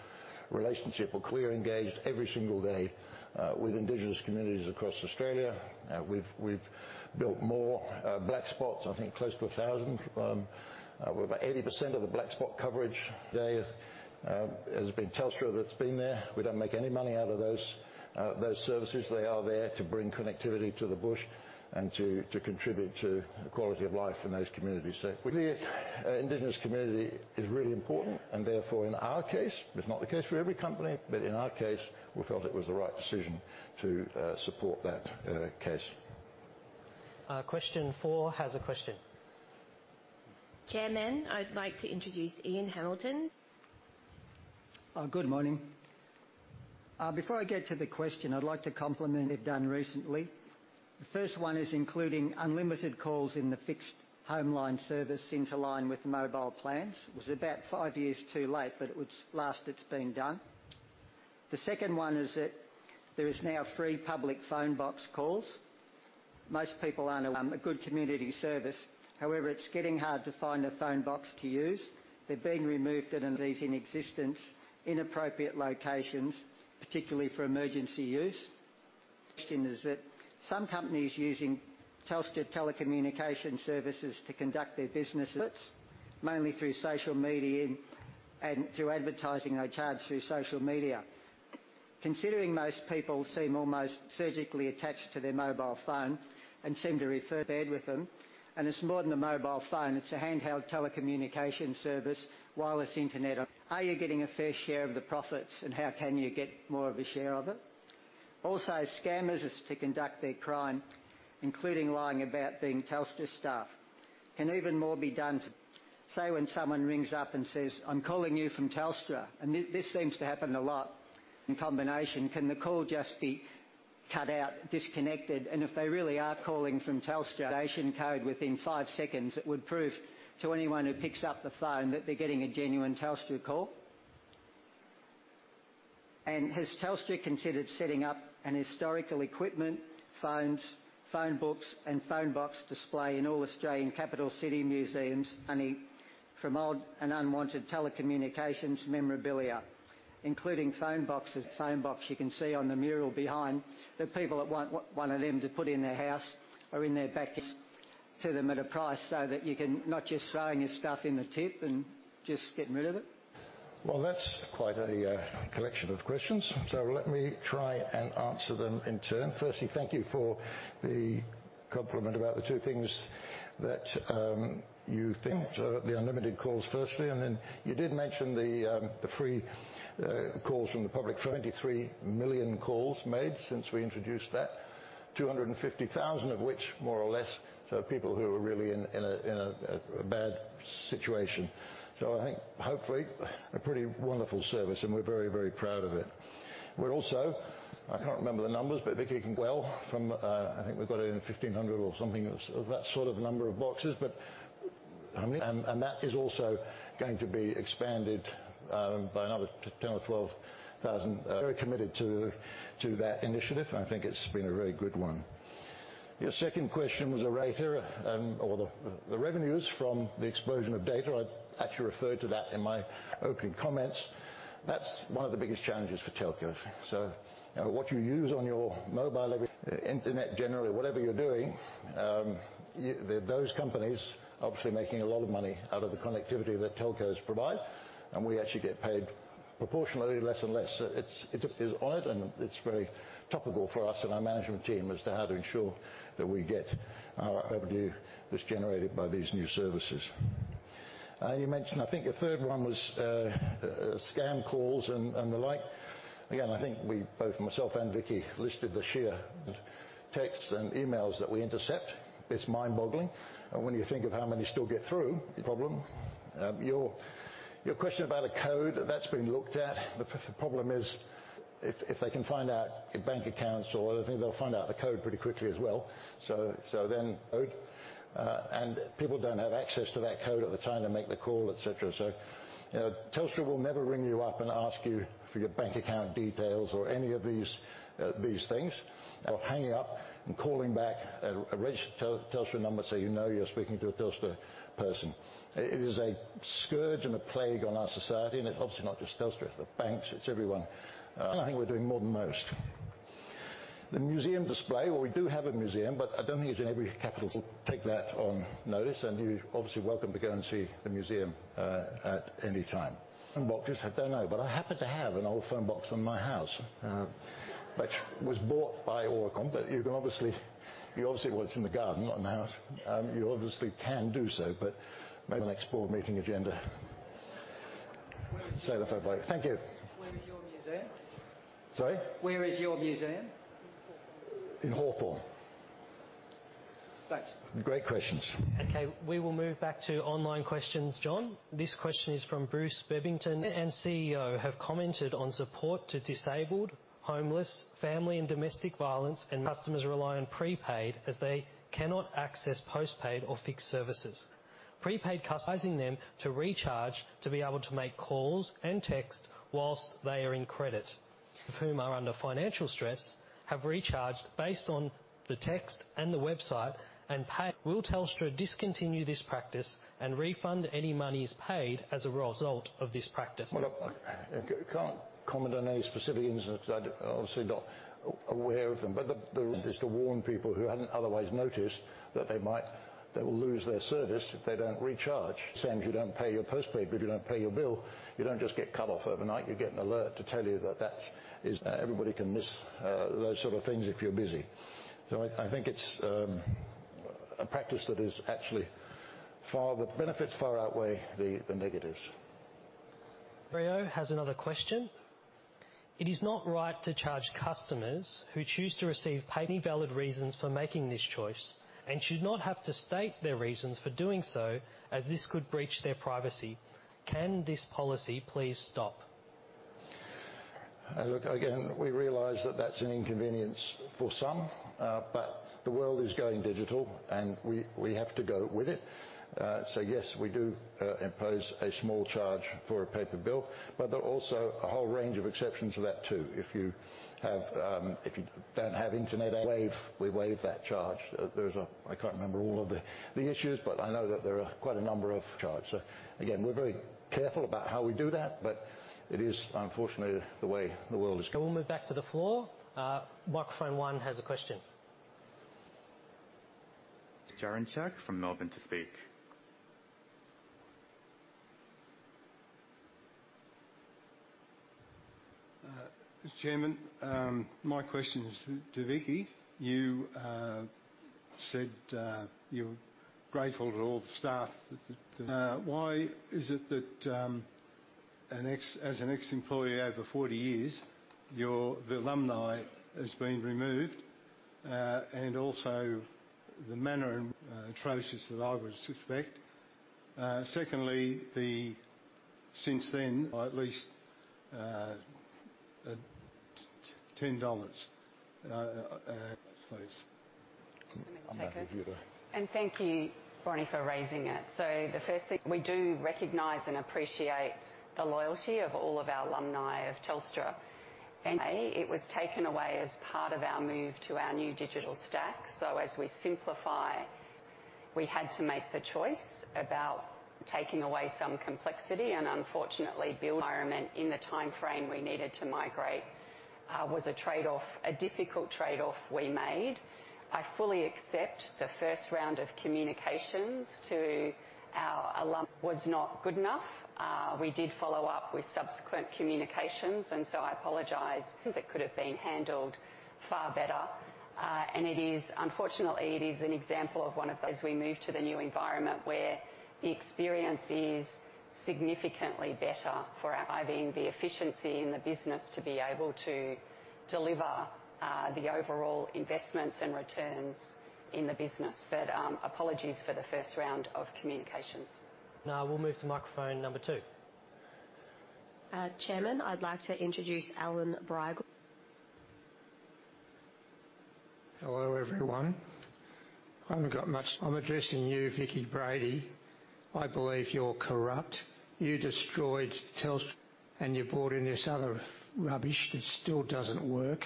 relationship or clearly engaged every single day with indigenous communities across Australia, we've built more black spots, I think close to 1,000. About 80% of the black spot coverage there has been Telstra that's been there. We don't make any money out of those services. They are there to bring connectivity to the bush and to contribute to the quality of life in those communities. The Indigenous community is really important, and therefore, in our case, it's not the case for every company, but in our case, we felt it was the right decision to support that case. Question four has a question. Chairman, I'd like to introduce Ian Hamilton. Good morning. Before I get to the question, I'd like to compliment what you've done recently. The first one is including unlimited calls in the fixed home line service in line with mobile plans. It was about five years too late, but it's last it's been done. The second one is that there is now free public phone box calls. Most people own a good community service. However, it's getting hard to find a phone box to use. They're being removed, and these in existence, inappropriate locations, particularly for emergency use. Question is that some companies using Telstra telecommunication services to conduct their business, mainly through social media and, and through advertising are charged through social media. Considering most people seem almost surgically attached to their mobile phone and seem to be in bed with them, and it's more than a mobile phone, it's a handheld telecommunication service, wireless internet. Are you getting a fair share of the profits, and how can you get more of a share of it? Also, scammers to conduct their crime, including lying about being Telstra staff. Can even more be done to? Say, when someone rings up and says, "I'm calling you from Telstra," and this, this seems to happen a lot in combination, can the call just be cut out, disconnected? And if they really are calling from Telstra, station code within five seconds, it would prove to anyone who picks up the phone that they're getting a genuine Telstra call. Has Telstra considered setting up a historical equipment, phones, phone books, and phone box display in all Australian capital city museums, money from old and unwanted telecommunications memorabilia, including phone boxes. Phone box you can see on the mural behind, that people that want one of them to put in their house or in their back sell them at a price so that you can not just throwing your stuff in the tip and just getting rid of it. Well, that's quite a collection of questions. So let me try and answer them in turn. Firstly, thank you for the compliment about the two things that you think. The unlimited calls firstly, and then you did mention the free calls from the public. 23 million calls made since we introduced that. 250,000 of which, more or less, so people who are really in a bad situation. So I think hopefully a pretty wonderful service, and we're very, very proud of it. We're also, I can't remember the numbers, but Vicki can. Well, from, I think we've got it in 1,500 or something of that sort of number of boxes. But, and that is also going to be expanded by another 10 or 12 thousand. Very committed to that initiative, and I think it's been a very good one. Your second question was around here, or the revenues from the explosion of data. I actually referred to that in my opening comments. That's one of the biggest challenges for telcos. So, you know, what you use on your mobile, every internet, generally, whatever you're doing, you those companies obviously making a lot of money out of the connectivity that telcos provide, and we actually get paid proportionately less and less. So it's odd, and it's very topical for us and our management team as to how to ensure that we get our overdue that's generated by these new services. You mentioned, I think a third one was, scam calls and the like. Again, I think we, both myself and Vicki, listed the sheer texts and emails that we intercept. It's mind-boggling, and when you think of how many still get through, the problem. Your question about a code, that's been looked at. The problem is, if they can find out your bank accounts or other things, they'll find out the code pretty quickly as well. So then, and people don't have access to that code at the time to make the call, et cetera. So, you know, Telstra will never ring you up and ask you for your bank account details or any of these things. Or hanging up and calling back a registered Telstra number, so you know you're speaking to a Telstra person. It is a scourge and a plague on our society, and it's obviously not just Telstra, it's the banks, it's everyone. And I think we're doing more than most. The museum display, well, we do have a museum, but I don't think it's in every capital. Take that on notice, and you're obviously welcome to go and see the museum at any time. And what, I don't know, but I happen to have an old phone box in my house, which was bought by Oricom, but you can obviously, you obviously, well, it's in the garden, not in the house. You obviously can do so, but maybe the next board meeting agenda. Say the phone box. Thank you. Where is your museum? Sorry? Where is your museum? In Hawthorn. Thanks. Great questions. Okay, we will move back to online questions, John. This question is from Bruce Bebington. And CEO have commented on support to disabled, homeless, family and domestic violence, and customers rely on prepaid as they cannot access postpaid or fixed services. Prepaid customers, them to recharge to be able to make calls and texts whilst they are in credit. Of whom are under financial stress, have recharged based on the text and the website and pay. Will Telstra discontinue this practice and refund any monies paid as a result of this practice? Well, I, I can't comment on any specific incidents. I'm obviously not aware of them, but the rule is to warn people who hadn't otherwise noticed that they will lose their service if they don't recharge. Same as you don't pay your postpaid, but if you don't pay your bill, you don't just get cut off overnight. You get an alert to tell you that that is, Everybody can miss those sort of things if you're busy. So I, I think it's a practice that is actually the benefits far outweigh the negatives. Rio has another question. It is not right to charge customers who choose to receive, pay any valid reasons for making this choice, and should not have to state their reasons for doing so, as this could breach their privacy. Can this policy please stop? Look, again, we realize that that's an inconvenience for some, but the world is going digital, and we have to go with it. So yes, we do impose a small charge for a paper bill, but there are also a whole range of exceptions to that too. If you don't have internet, we waive that charge. I can't remember all of the issues, but I know that there are quite a number of charges. So again, we're very careful about how we do that, but it is unfortunately the way the world is going. We'll move back to the floor. Microphone one has a question. Jaren Chuck from Melbourne to speak. Chairman, my question is to Vicki. You said you're grateful to all the staff. Why is it that, as an ex-employee over 40 years, your the alumni has been removed, and also the manner and atrocious that I would suspect. Secondly, the since then, or at least, 10 dollars, please. And thank you, Ronnie, for raising it. So the first thing, we do recognize and appreciate the loyalty of all of our alumni of Telstra. It was taken away as part of our move to our new digital stack. So as we simplify, we had to make the choice about taking away some complexity, and unfortunately, the environment in the timeframe we needed to migrate was a trade-off, a difficult trade-off we made. I fully accept the first round of communications to our alum was not good enough. We did follow up with subsequent communications, and so I apologize, because it could have been handled far better. And it is, unfortunately, it is an example of one of those we moved to the new environment where the experience is significantly better for our, I mean, the efficiency in the business to be able to deliver the overall investments and returns in the business. But, apologies for the first round of communications. Now we'll move to microphone number two. Chairman, I'd like to introduce Elana Rubin. Hello, everyone. I haven't got much. I'm addressing you, Vicki Brady. I believe you're corrupt. You destroyed Telstra, and you brought in this other rubbish that still doesn't work.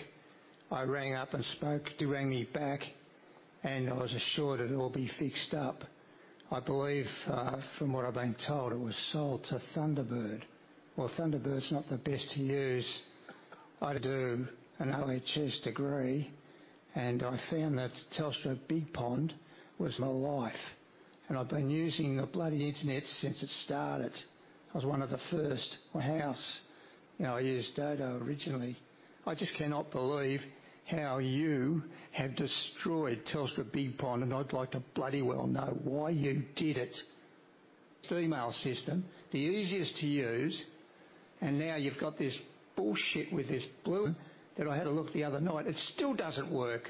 I rang up and spoke to ring me back, and I was assured it'll all be fixed up. I believe, from what I've been told, it was sold to Thunderbird. Well, Thunderbird's not the best to use. I do an LHS degree, and I found that Telstra BigPond was my life, and I've been using the bloody internet since it started. I was one of the first. My house, you know, I used data originally. I just cannot believe how you have destroyed Telstra BigPond, and I'd like to bloody well know why you did it. Female system, the easiest to use, and now you've got this bullshit with this blue that I had a look the other night. It still doesn't work.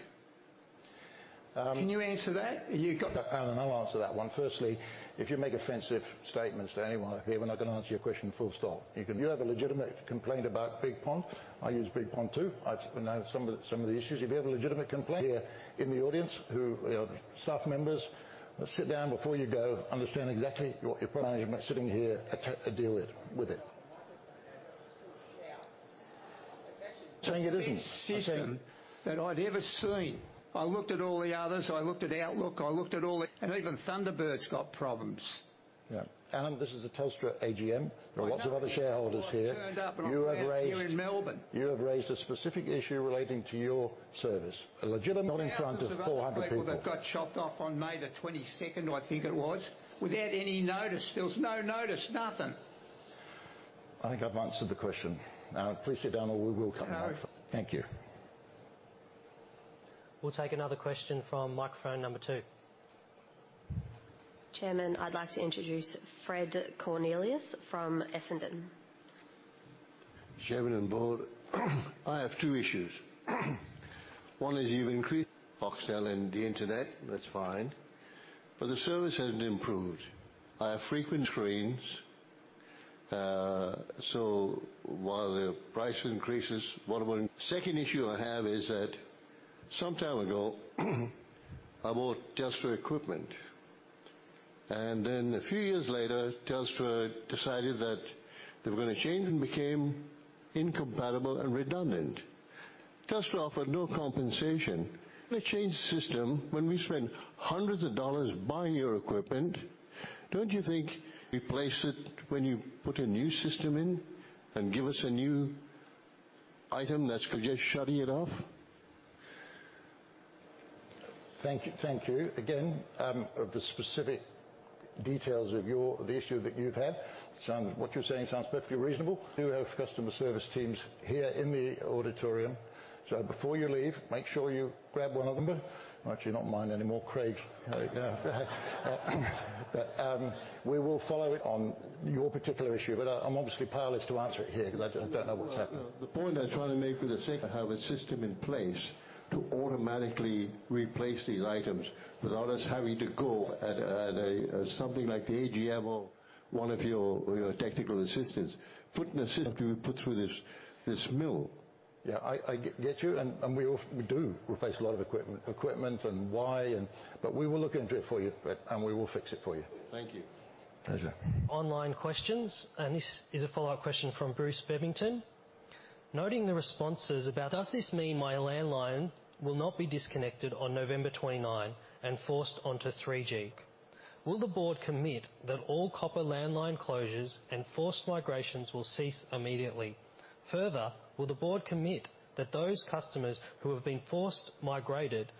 Um. Can you answer that? You've got- Alan, I'll answer that one. Firstly, if you make offensive statements to anyone here, we're not going to answer your question, full stop. If you have a legitimate complaint about Bigpond, I use Bigpond, too. I've known some of the, some of the issues. If you have a legitimate complaint here in the audience, staff members sit down before you go, understand exactly what your problem. Sitting here and try deal with it. Saying it isn't. The system that I'd ever seen. I looked at all the others, I looked at Outlook, I looked at all it, and even Thunderbird's got problems. Yeah. Alan, this is a Telstra AGM. I know. There are lots of other shareholders here. Well, I turned up You have raised here in Melbourne. You have raised a specific issue relating to your service. A legitimate- Not in front of 400 people. People that got chopped off on May the twenty-second, I think it was, without any notice. There was no notice, nothing. I think I've answered the question. Please sit down or we will cut him off. No. Thank you. We'll take another question from microphone number two. Chairman, I'd like to introduce Fred Cornelius from Essendon. Chairman and Board, I have two issues. One is you've increased Foxtel and the internet. That's fine, but the service hasn't improved. I have frequent screens, so while the price increases, what we're... Second issue I have is that some time ago, I bought Telstra equipment, and then a few years later, Telstra decided that they were going to change and became incompatible and redundant. Telstra offered no compensation. When they change the system, when we spend hundreds of AUD buying your equipment, don't you think replace it when you put a new system in and give us a new item that's just shutting it off? Thank you. Thank you. Again, of the specific details of your, the issue that you've had. What you're saying sounds perfectly reasonable. We do have customer service teams here in the auditorium, so before you leave, make sure you grab one of them. But actually not mine anymore, Craig. We will follow on your particular issue, but I, I'm obviously powerless to answer it here because I, I don't know what's happened. The point I'm trying to make, for the sake of have a system in place to automatically replace these items without us having to go at a something like the AGM or one of your technical assistants. Put in a system to put through this mill. Yeah, I get you, and we do replace a lot of equipment. But we will look into it for you, Fred, and we will fix it for you. Thank you. Pleasure. Online questions, and this is a follow-up question from Bruce Bebington. Noting the responses about, "Does this mean my landline will not be disconnected on November 29 and forced onto 3G? Will the board commit that all copper landline closures and forced migrations will cease immediately? Further, will the board commit that those customers who have been forced migrated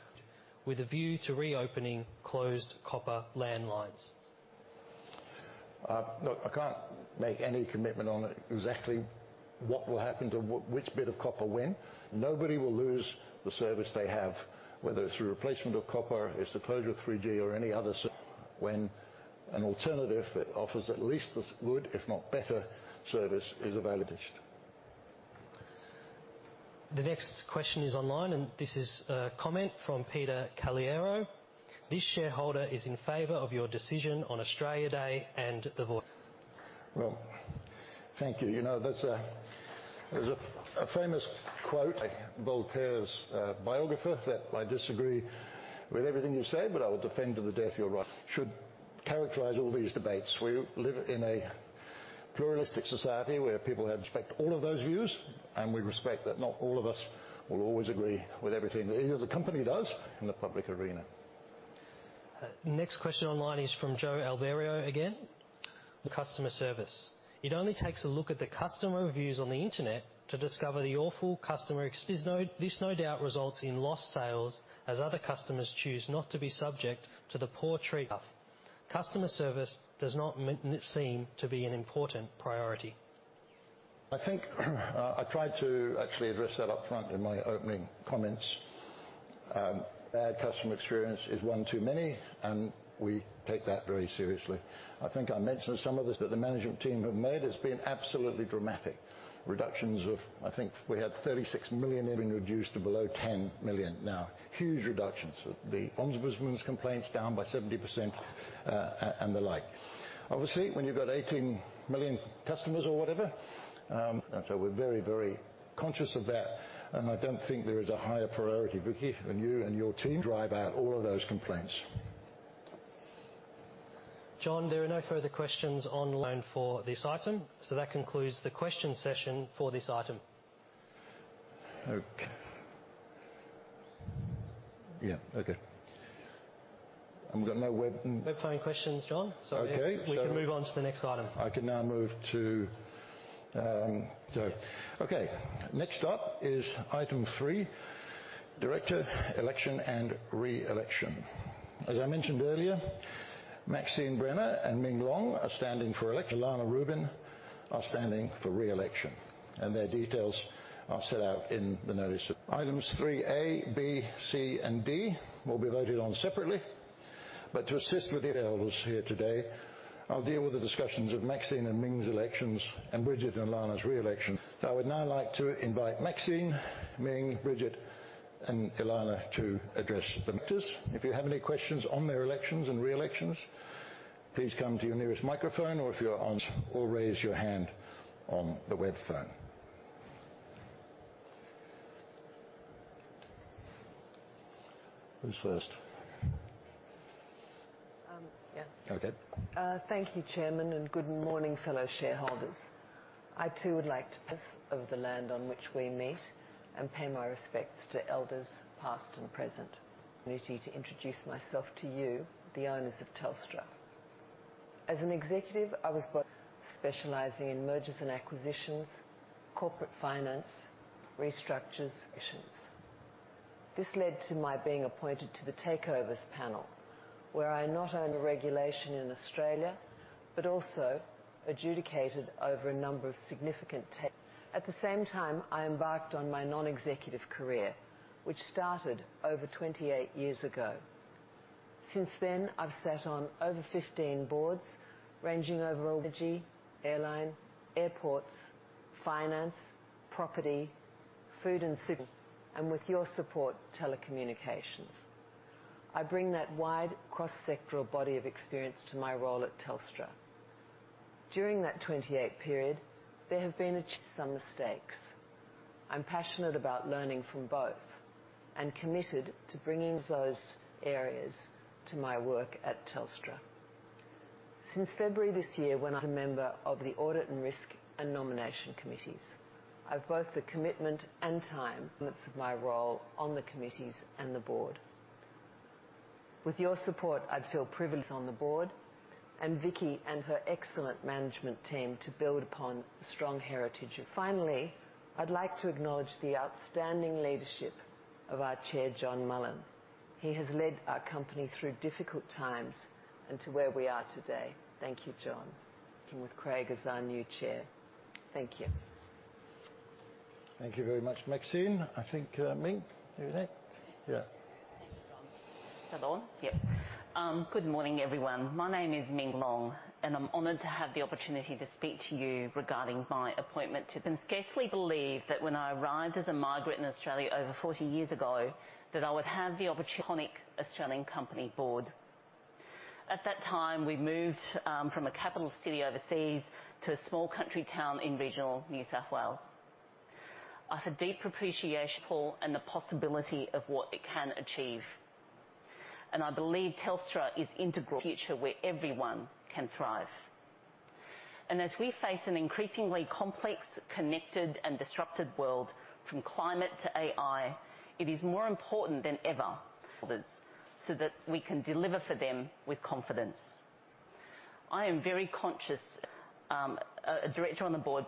with a view to reopening closed copper landlines? Look, I can't make any commitment on exactly what will happen to what, which bit of copper, when. Nobody will lose the service they have, whether it's through replacement of copper, it's the closure of 3G or any other service, when an alternative that offers at least this good, if not better, service is available. The next question is online, and this is a comment from Peter Caliero. This shareholder is in favor of your decision on Australia Day and the Voice. Well, thank you. You know, that's a famous quote, Voltaire's biographer, that "I disagree with everything you say, but I will defend to the death your right" should characterize all these debates. We live in a pluralistic society where people have respect all of those views, and we respect that not all of us will always agree with everything that either the company does in the public arena. Next question online is from Joe Alberio again, the customer service. It only takes a look at the customer reviews on the internet to discover the awful customer. This no doubt results in lost sales as other customers choose not to be subject to the poor treatment of. Customer service does not seem to be an important priority. I think, I tried to actually address that up front in my opening comments. Bad customer experience is one too many, and we take that very seriously. I think I mentioned some of this, but the management team have made has been absolutely dramatic. Reductions of, I think we had 36 million being reduced to below 10 million now. Huge reductions. The Ombudsman's complaints down by 70%, and, and the like. Obviously, when you've got 18 million customers or whatever, and so we're very, very conscious of that, and I don't think there is a higher priority, Vicky, than you and your team drive out all of those complaints. John, there are no further questions online for this item, so that concludes the question session for this item. Okay. Yeah. Okay. And we've got no web and- Web phone questions, John. Okay, so- We can move on to the next item. I can now move to. Okay, next up is item three, director election and re-election. As I mentioned earlier, Maxine Brenner and Ming Long are standing for election. Elana Rubin are standing for re-election, and their details are set out in the notice of Items three A, B, C, and D will be voted on separately. But to assist with the elders here today, I'll deal with the discussions of Maxine and Ming's elections and Bridget and Elana's re-election. So I would now like to invite Maxine, Ming, Bridget, and Elana to address the matters. If you have any questions on their elections and re-elections, please come to your nearest microphone, or if you're on, or raise your hand on the web phone. Who's first? Um, yeah. Okay. Thank you, Chairman, and good morning, fellow shareholders. I, too, would like to acknowledge the Traditional Owners of the land on which we meet and pay my respects to their Elders, past and present. To introduce myself to you, the owners of Telstra. As an executive, I was specializing in mergers and acquisitions, corporate finance, restructuring, acquisitions. This led to my being appointed to the Takeovers Panel, where I not only applied regulation in Australia, but also adjudicated over a number of significant takeovers. At the same time, I embarked on my non-executive career, which started over 28 years ago. Since then, I've sat on over 15 boards, ranging over energy, airline, airports, finance, property, food and civil, and with your support, telecommunications. I bring that wide cross-sectoral body of experience to my role at Telstra. During that 28-year period, there have been some mistakes. I'm passionate about learning from both and committed to bringing those areas to my work at Telstra. Since February this year, when I was a member of the Audit and Risk and Nomination Committees, I've both the commitment and time of my role on the committees and the board. With your support, I'd feel privileged on the board, and Vicki and her excellent management team to build upon a strong heritage. Finally, I'd like to acknowledge the outstanding leadership of our Chair, John Mullen. He has led our company through difficult times and to where we are today. Thank you, John. And with Craig as our new Chair. Thank you. Thank you very much, Maxine. I think, Ming, are you next? Yeah. Thank you, John. Is that on? Yep. Good morning, everyone. My name is Ming Long, and I'm honored to have the opportunity to speak to you regarding my appointment. I can scarcely believe that when I arrived as a migrant in Australia over 40 years ago, that I would have the opportunity to join the board of an iconic Australian company. At that time, we moved from a capital city overseas to a small country town in regional New South Wales. I have a deep appreciation for regional Australia and the possibility of what it can achieve, and I believe Telstra is integral to the future where everyone can thrive. As we face an increasingly complex, connected, and disrupted world, from climate to AI, it is more important than ever that we can deliver for them with confidence. I am very conscious, a director on the board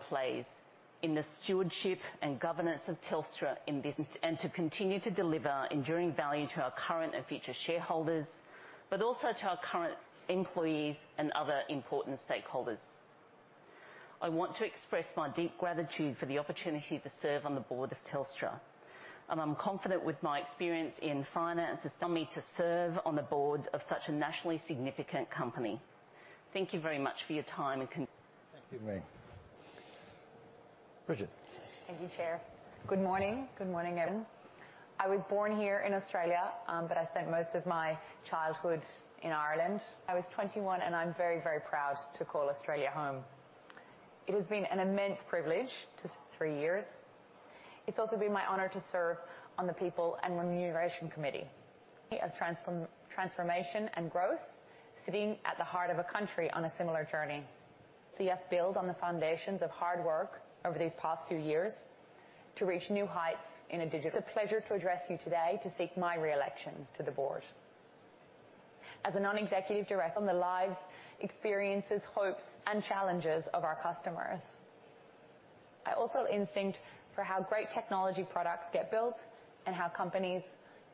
plays in the stewardship and governance of Telstra in business, and to continue to deliver enduring value to our current and future shareholders, but also to our current employees and other important stakeholders. I want to express my deep gratitude for the opportunity to serve on the board of Telstra, and I'm confident with my experience in finance as somebody to serve on the board of such a nationally significant company. Thank you very much for your time and con, Thank you, Ming. Bridget. Thank you, Chair. Good morning. Good morning, everyone. I was born here in Australia, but I spent most of my childhood in Ireland. I was 21, and I'm very, very proud to call Australia home. It has been an immense privilege to, three years. It's also been my honor to serve on the People and Remuneration Committee of transformation and growth, sitting at the heart of a country on a similar journey. So yes, build on the foundations of hard work over these past few years to reach new heights in a digital. It's a pleasure to address you today to seek my re-election to the board. As a non-executive director on the lives, experiences, hopes, and challenges of our customers. I also instinct for how great technology products get built and how companies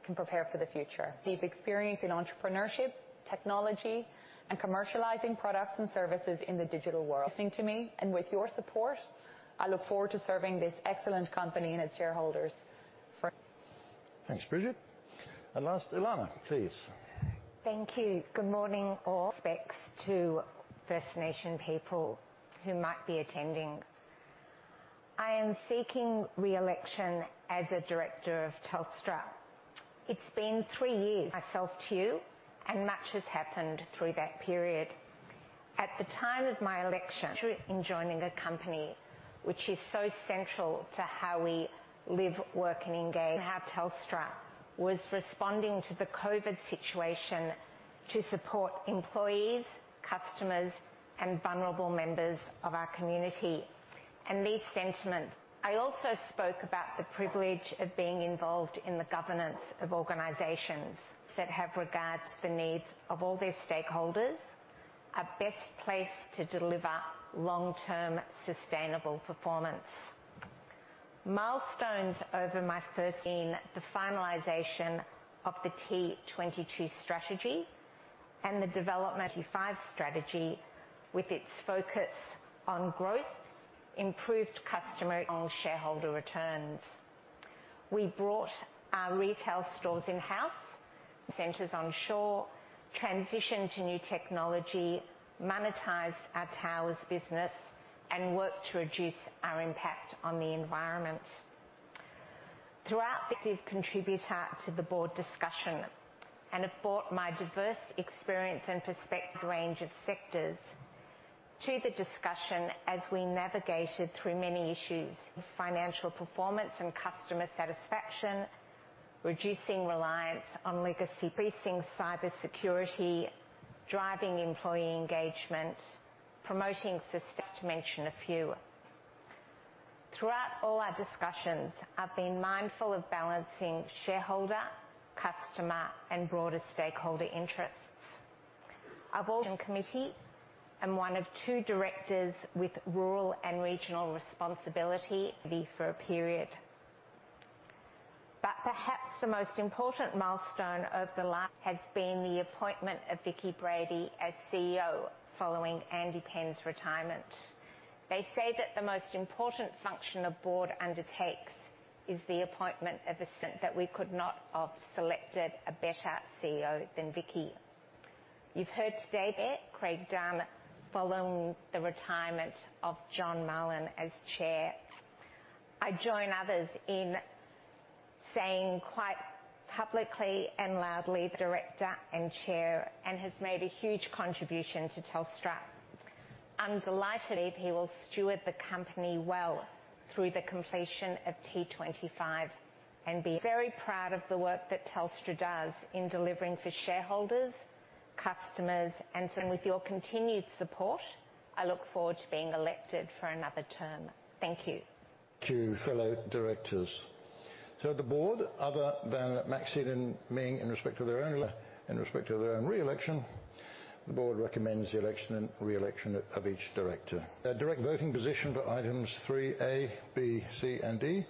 can prepare for the future. Deep experience in entrepreneurship, technology, and commercializing products and services in the digital world. To me, and with your support, I look forward to serving this excellent company and its shareholders for- Thanks, Bridget. And last, Elana, please. Thank you. Good morning, all. Respects to First Nation people who might be attending. I am seeking re-election as a director of Telstra. It's been three years myself to you, and much has happened through that period. At the time of my election, in joining a company which is so central to how we live, work, and engage, and how Telstra was responding to the COVID situation to support employees, customers, and vulnerable members of our community, and these sentiments. I also spoke about the privilege of being involved in the governance of organizations that have regard to the needs of all their stakeholders, are best placed to deliver long-term sustainable performance. Milestones over my first in the finalization of the T22 strategy and the development of the T25 strategy with its focus on growth, improved customer, and shareholder returns. We brought our retail stores in-house, centers on shore, transitioned to new technology, monetized our towers business, and worked to reduce our impact on the environment. Throughout, active contributor to the board discussion and have brought my diverse experience and perspective range of sectors to the discussion as we navigated through many issues: financial performance and customer satisfaction, reducing reliance on legacy, increasing cybersecurity, driving employee engagement, promoting system, just to mention a few. Throughout all our discussions, I've been mindful of balancing shareholder, customer, and broader stakeholder interests. I've also committee, am one of two directors with rural and regional responsibility for a period. But perhaps the most important milestone of the last has been the appointment of Vicki Brady as CEO, following Andy Penn's retirement. They say that the most important function a board undertakes is the appointment of assistant. That we could not have selected a better CEO than Vicki. You've heard today, Craig Dunn, following the retirement of John Mullen as chair. I join others in saying quite publicly and loudly, the director and chair, and has made a huge contribution to Telstra. I'm delighted he will steward the company well through the completion of T25 and be very proud of the work that Telstra does in delivering for shareholders, customers, and so with your continued support, I look forward to being elected for another term. Thank you. To fellow directors. The board, other than Maxine and Ming, in respect to their own re-election, the board recommends the election and re-election of each director. A direct voting position for items three A, B, C, and D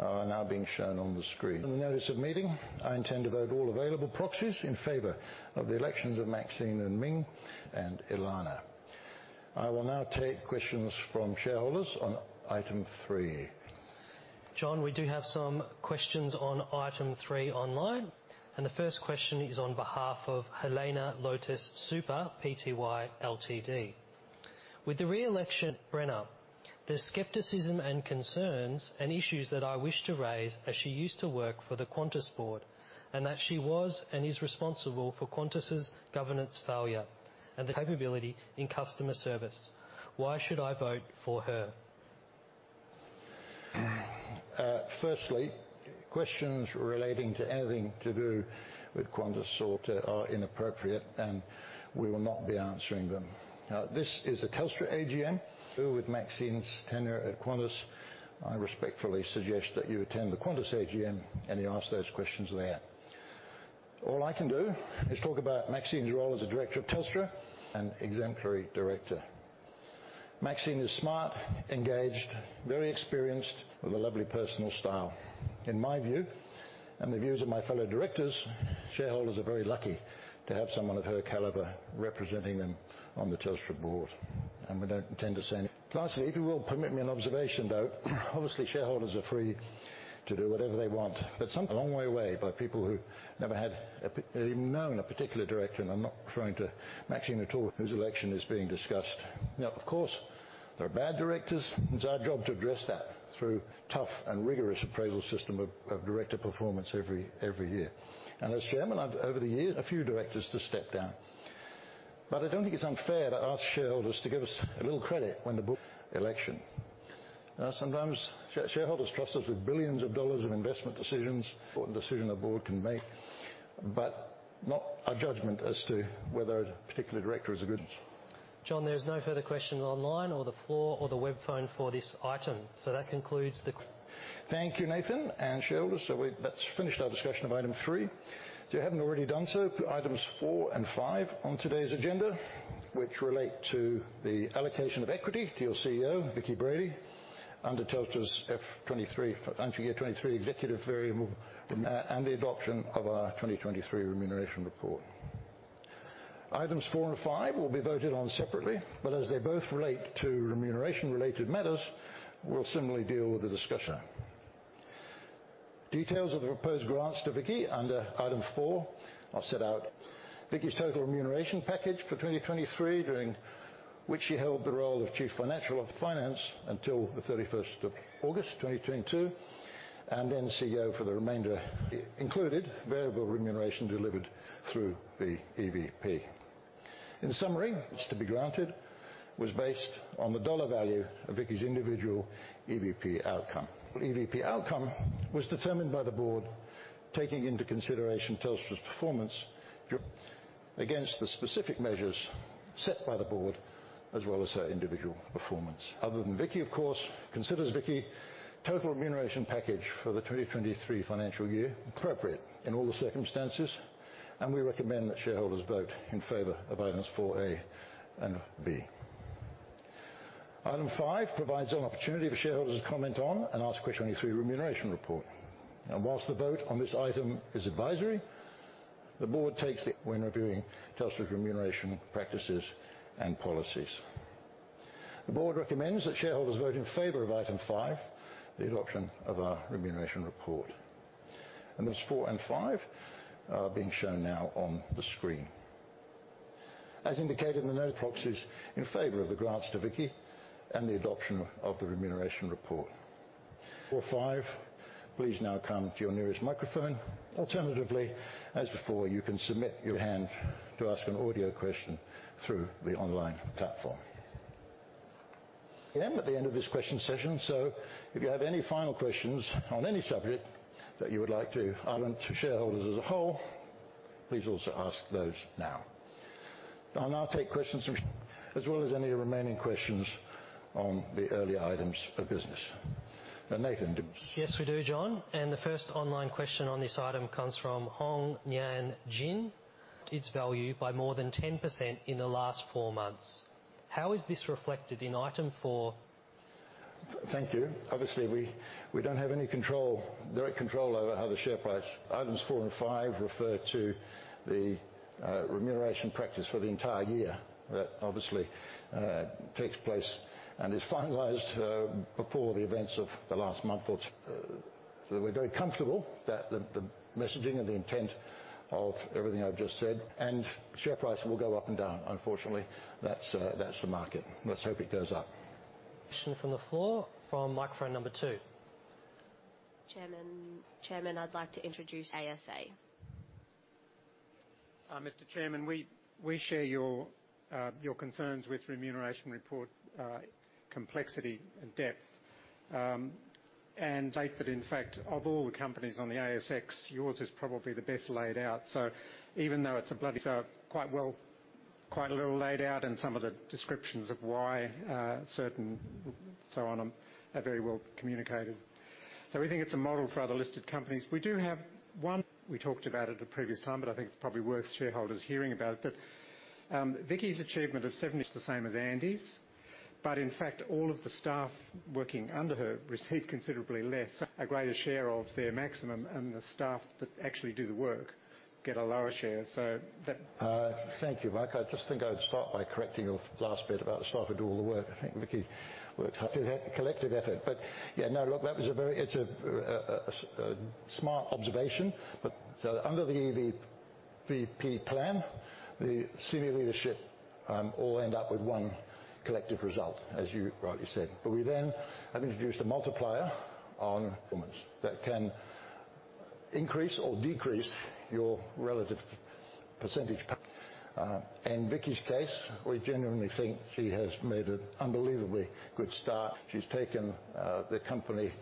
are now being shown on the screen. In the notice of meeting, I intend to vote all available proxies in favor of the elections of Maxine and Ming and Ilana. I will now take questions from shareholders on item three. John, we do have some questions on item three online, and the first question is on behalf of Helena Lotus Super Pty Ltd. With the re-election, Brenner, there's skepticism and concerns and issues that I wish to raise, as she used to work for the Qantas board, and that she was and is responsible for Qantas's governance failure and the capability in customer service. Why should I vote for her? Firstly, questions relating to anything to do with Qantas sort are inappropriate, and we will not be answering them. This is a Telstra AGM, with Maxine's tenure at Qantas. I respectfully suggest that you attend the Qantas AGM and you ask those questions there. All I can do is talk about Maxine's role as a director of Telstra, an exemplary director. Maxine is smart, engaged, very experienced, with a lovely personal style. In my view, and the views of my fellow directors, shareholders are very lucky to have someone of her caliber representing them on the Telstra board, and we don't intend to say anything. Lastly, if you will, permit me an observation, though. Obviously, shareholders are free to do whatever they want, but some a long way away by people who never had a known a particular director, and I'm not referring to Maxine at all, whose election is being discussed. Now, of course, there are bad directors, and it's our job to address that through tough and rigorous appraisal system of director performance every year. And as chairman, I've over the years a few directors to step down. But I don't think it's unfair to ask shareholders to give us a little credit when the board election. Sometimes shareholders trust us with billions of dollars of investment decisions, important decision the board can make, but not a judgment as to whether a particular director is a good- John, there's no further questions online or the floor or the web phone for this item. So that concludes the- Thank you, Nathan and shareholders. So we, that's finished our discussion of item three. If you haven't already done so, items four and five on today's agenda, which relate to the allocation of equity to your CEO, Vicki Brady, under Telstra's FY 2023 financial year 2023 executive variable and the adoption of our 2023 remuneration report. Items four and five will be voted on separately, but as they both relate to remuneration-related matters, we'll similarly deal with the discussion. Details of the proposed grants to Vicki under item four are set out. Vicki's total remuneration package for 2023, during which she held the role of Chief Financial Officer until the 31st of August 2022, and then CEO for the remainder, included variable remuneration delivered through the EVP. In summary, what's to be granted was based on the dollar value of Vicki's individual EVP outcome, where EVP outcome was determined by the board, taking into consideration Telstra's performance against the specific measures set by the board, as well as her individual performance. Other than Vicki, of course, considers Vicki total remuneration package for the 2023 financial year appropriate in all the circumstances, and we recommend that shareholders vote in favor of items 4A and B. Item 5 provides an opportunity for shareholders to comment on and ask questions on the remuneration report. While the vote on this item is advisory, the board takes it when reviewing Telstra's remuneration practices and policies. The board recommends that shareholders vote in favor of item five, the adoption of our remuneration report. Items four and five are being shown now on the screen. As indicated in the note, proxies in favor of the grants to Vicki and the adoption of the remuneration report. four, five, please now come to your nearest microphone. Alternatively, as before, you can raise your hand to ask an audio question through the online platform. At the end of this question session, so if you have any final questions on any subject that you would like to add on to shareholders as a whole, please also ask those now. I'll now take questions, as well as any remaining questions on the earlier items of business. Nathan? Yes, we do, John, and the first online question on this item comes from Hong Nian Jin. Its value by more than 10% in the last four months. How is this reflected in item four? Thank you. Obviously, we don't have any control, direct control over how the share price. Items 4 and 5 refer to the remuneration practice for the entire year. That obviously takes place and is finalized before the events of the last month or two. We're very comfortable that the messaging and the intent of everything I've just said, and share price will go up and down. Unfortunately, that's the market. Let's hope it goes up. Question from the floor, from microphone number two. Chairman, Chairman, I'd like to introduce ASA. Mr. Chairman, we share your concerns with remuneration report complexity and depth. But in fact, of all the companies on the ASX, yours is probably the best laid out. So even though it's a bloody, so quite well laid out, and some of the descriptions of why certain so on are very well communicated. So we think it's a model for other listed companies. We do have one, we talked about it a previous time, but I think it's probably worth shareholders hearing about it. That, Vicki's achievement of seven is the same as Andy's, but in fact, all of the staff working under her received considerably less, a greater share of their maximum, and the staff that actually do the work get a lower share. So that- Thank you, Mark. I just think I'd start by correcting your last bit about the staff who do all the work. I think Vicki works hard, collective effort. But yeah, no, look, that was a very smart observation. But so under the EVP plan, the senior leadership all end up with one collective result, as you rightly said. But we then have introduced a multiplier on performance that can increase or decrease your relative percentage. In Vicki's case, we genuinely think she has made an unbelievably good start. She's taken the company,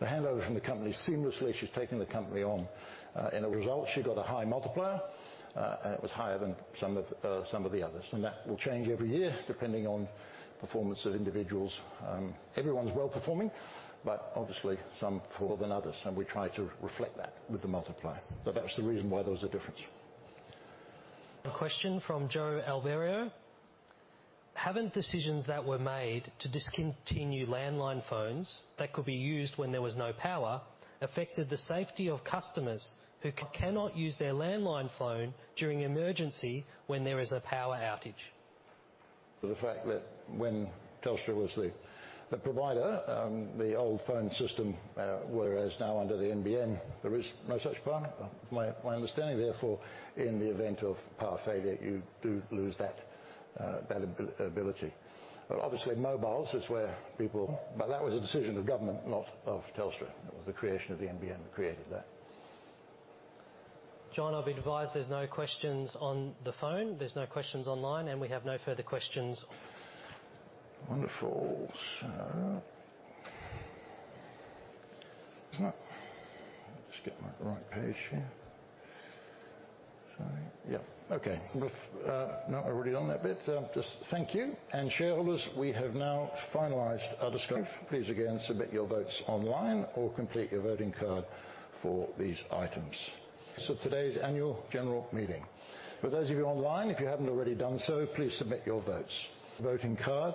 the handover from the company seamlessly. She's taken the company on. And a result, she got a high multiplier, and it was higher than some of some of the others. And that will change every year, depending on performance of individuals. Everyone's well-performing, but obviously some more than others, and we try to reflect that with the multiplier. That's the reason why there was a difference. A question from Joe Alberio: Haven't decisions that were made to discontinue landline phones that could be used when there was no power, affected the safety of customers who cannot use their landline phone during emergency when there is a power outage? The fact that when Telstra was the, the provider, the old phone system, whereas now under the NBN, there is no such plan. My, my understanding, therefore, in the event of power failure, you do lose that, that ability. But obviously, mobiles is where people, but that was a decision of government, not of Telstra. It was the creation of the NBN that created that. John, I've been advised there's no questions on the phone, there's no questions online, and we have no further questions. Wonderful. So, just get my right page here. Sorry. Yeah. Okay, now, we're already on that bit. Just thank you, and shareholders, we have now finalized our discovery. Please again, submit your votes online or complete your voting card for these items. So today's annual general meeting. For those of you online, if you haven't already done so, please submit your votes. Voting card.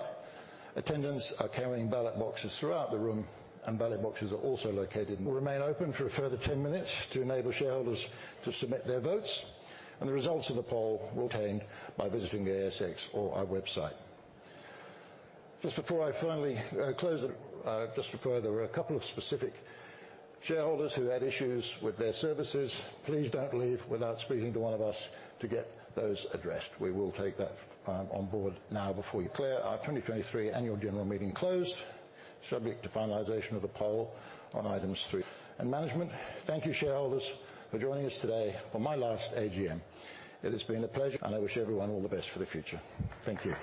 Attendants are carrying ballot boxes throughout the room, and ballot boxes are also located, will remain open for a further 10 minutes to enable shareholders to submit their votes, and the results of the poll will obtain by visiting the ASX or our website. Just before I finally close it, just before there were a couple of specific shareholders who had issues with their services, please don't leave without speaking to one of us to get those addressed. We will take that on board now before you declare our 2023 Annual General Meeting closed, subject to finalization of the poll on item three and management. Thank you, shareholders, for joining us today for my last AGM. It has been a pleasure, and I wish everyone all the best for the future. Thank you.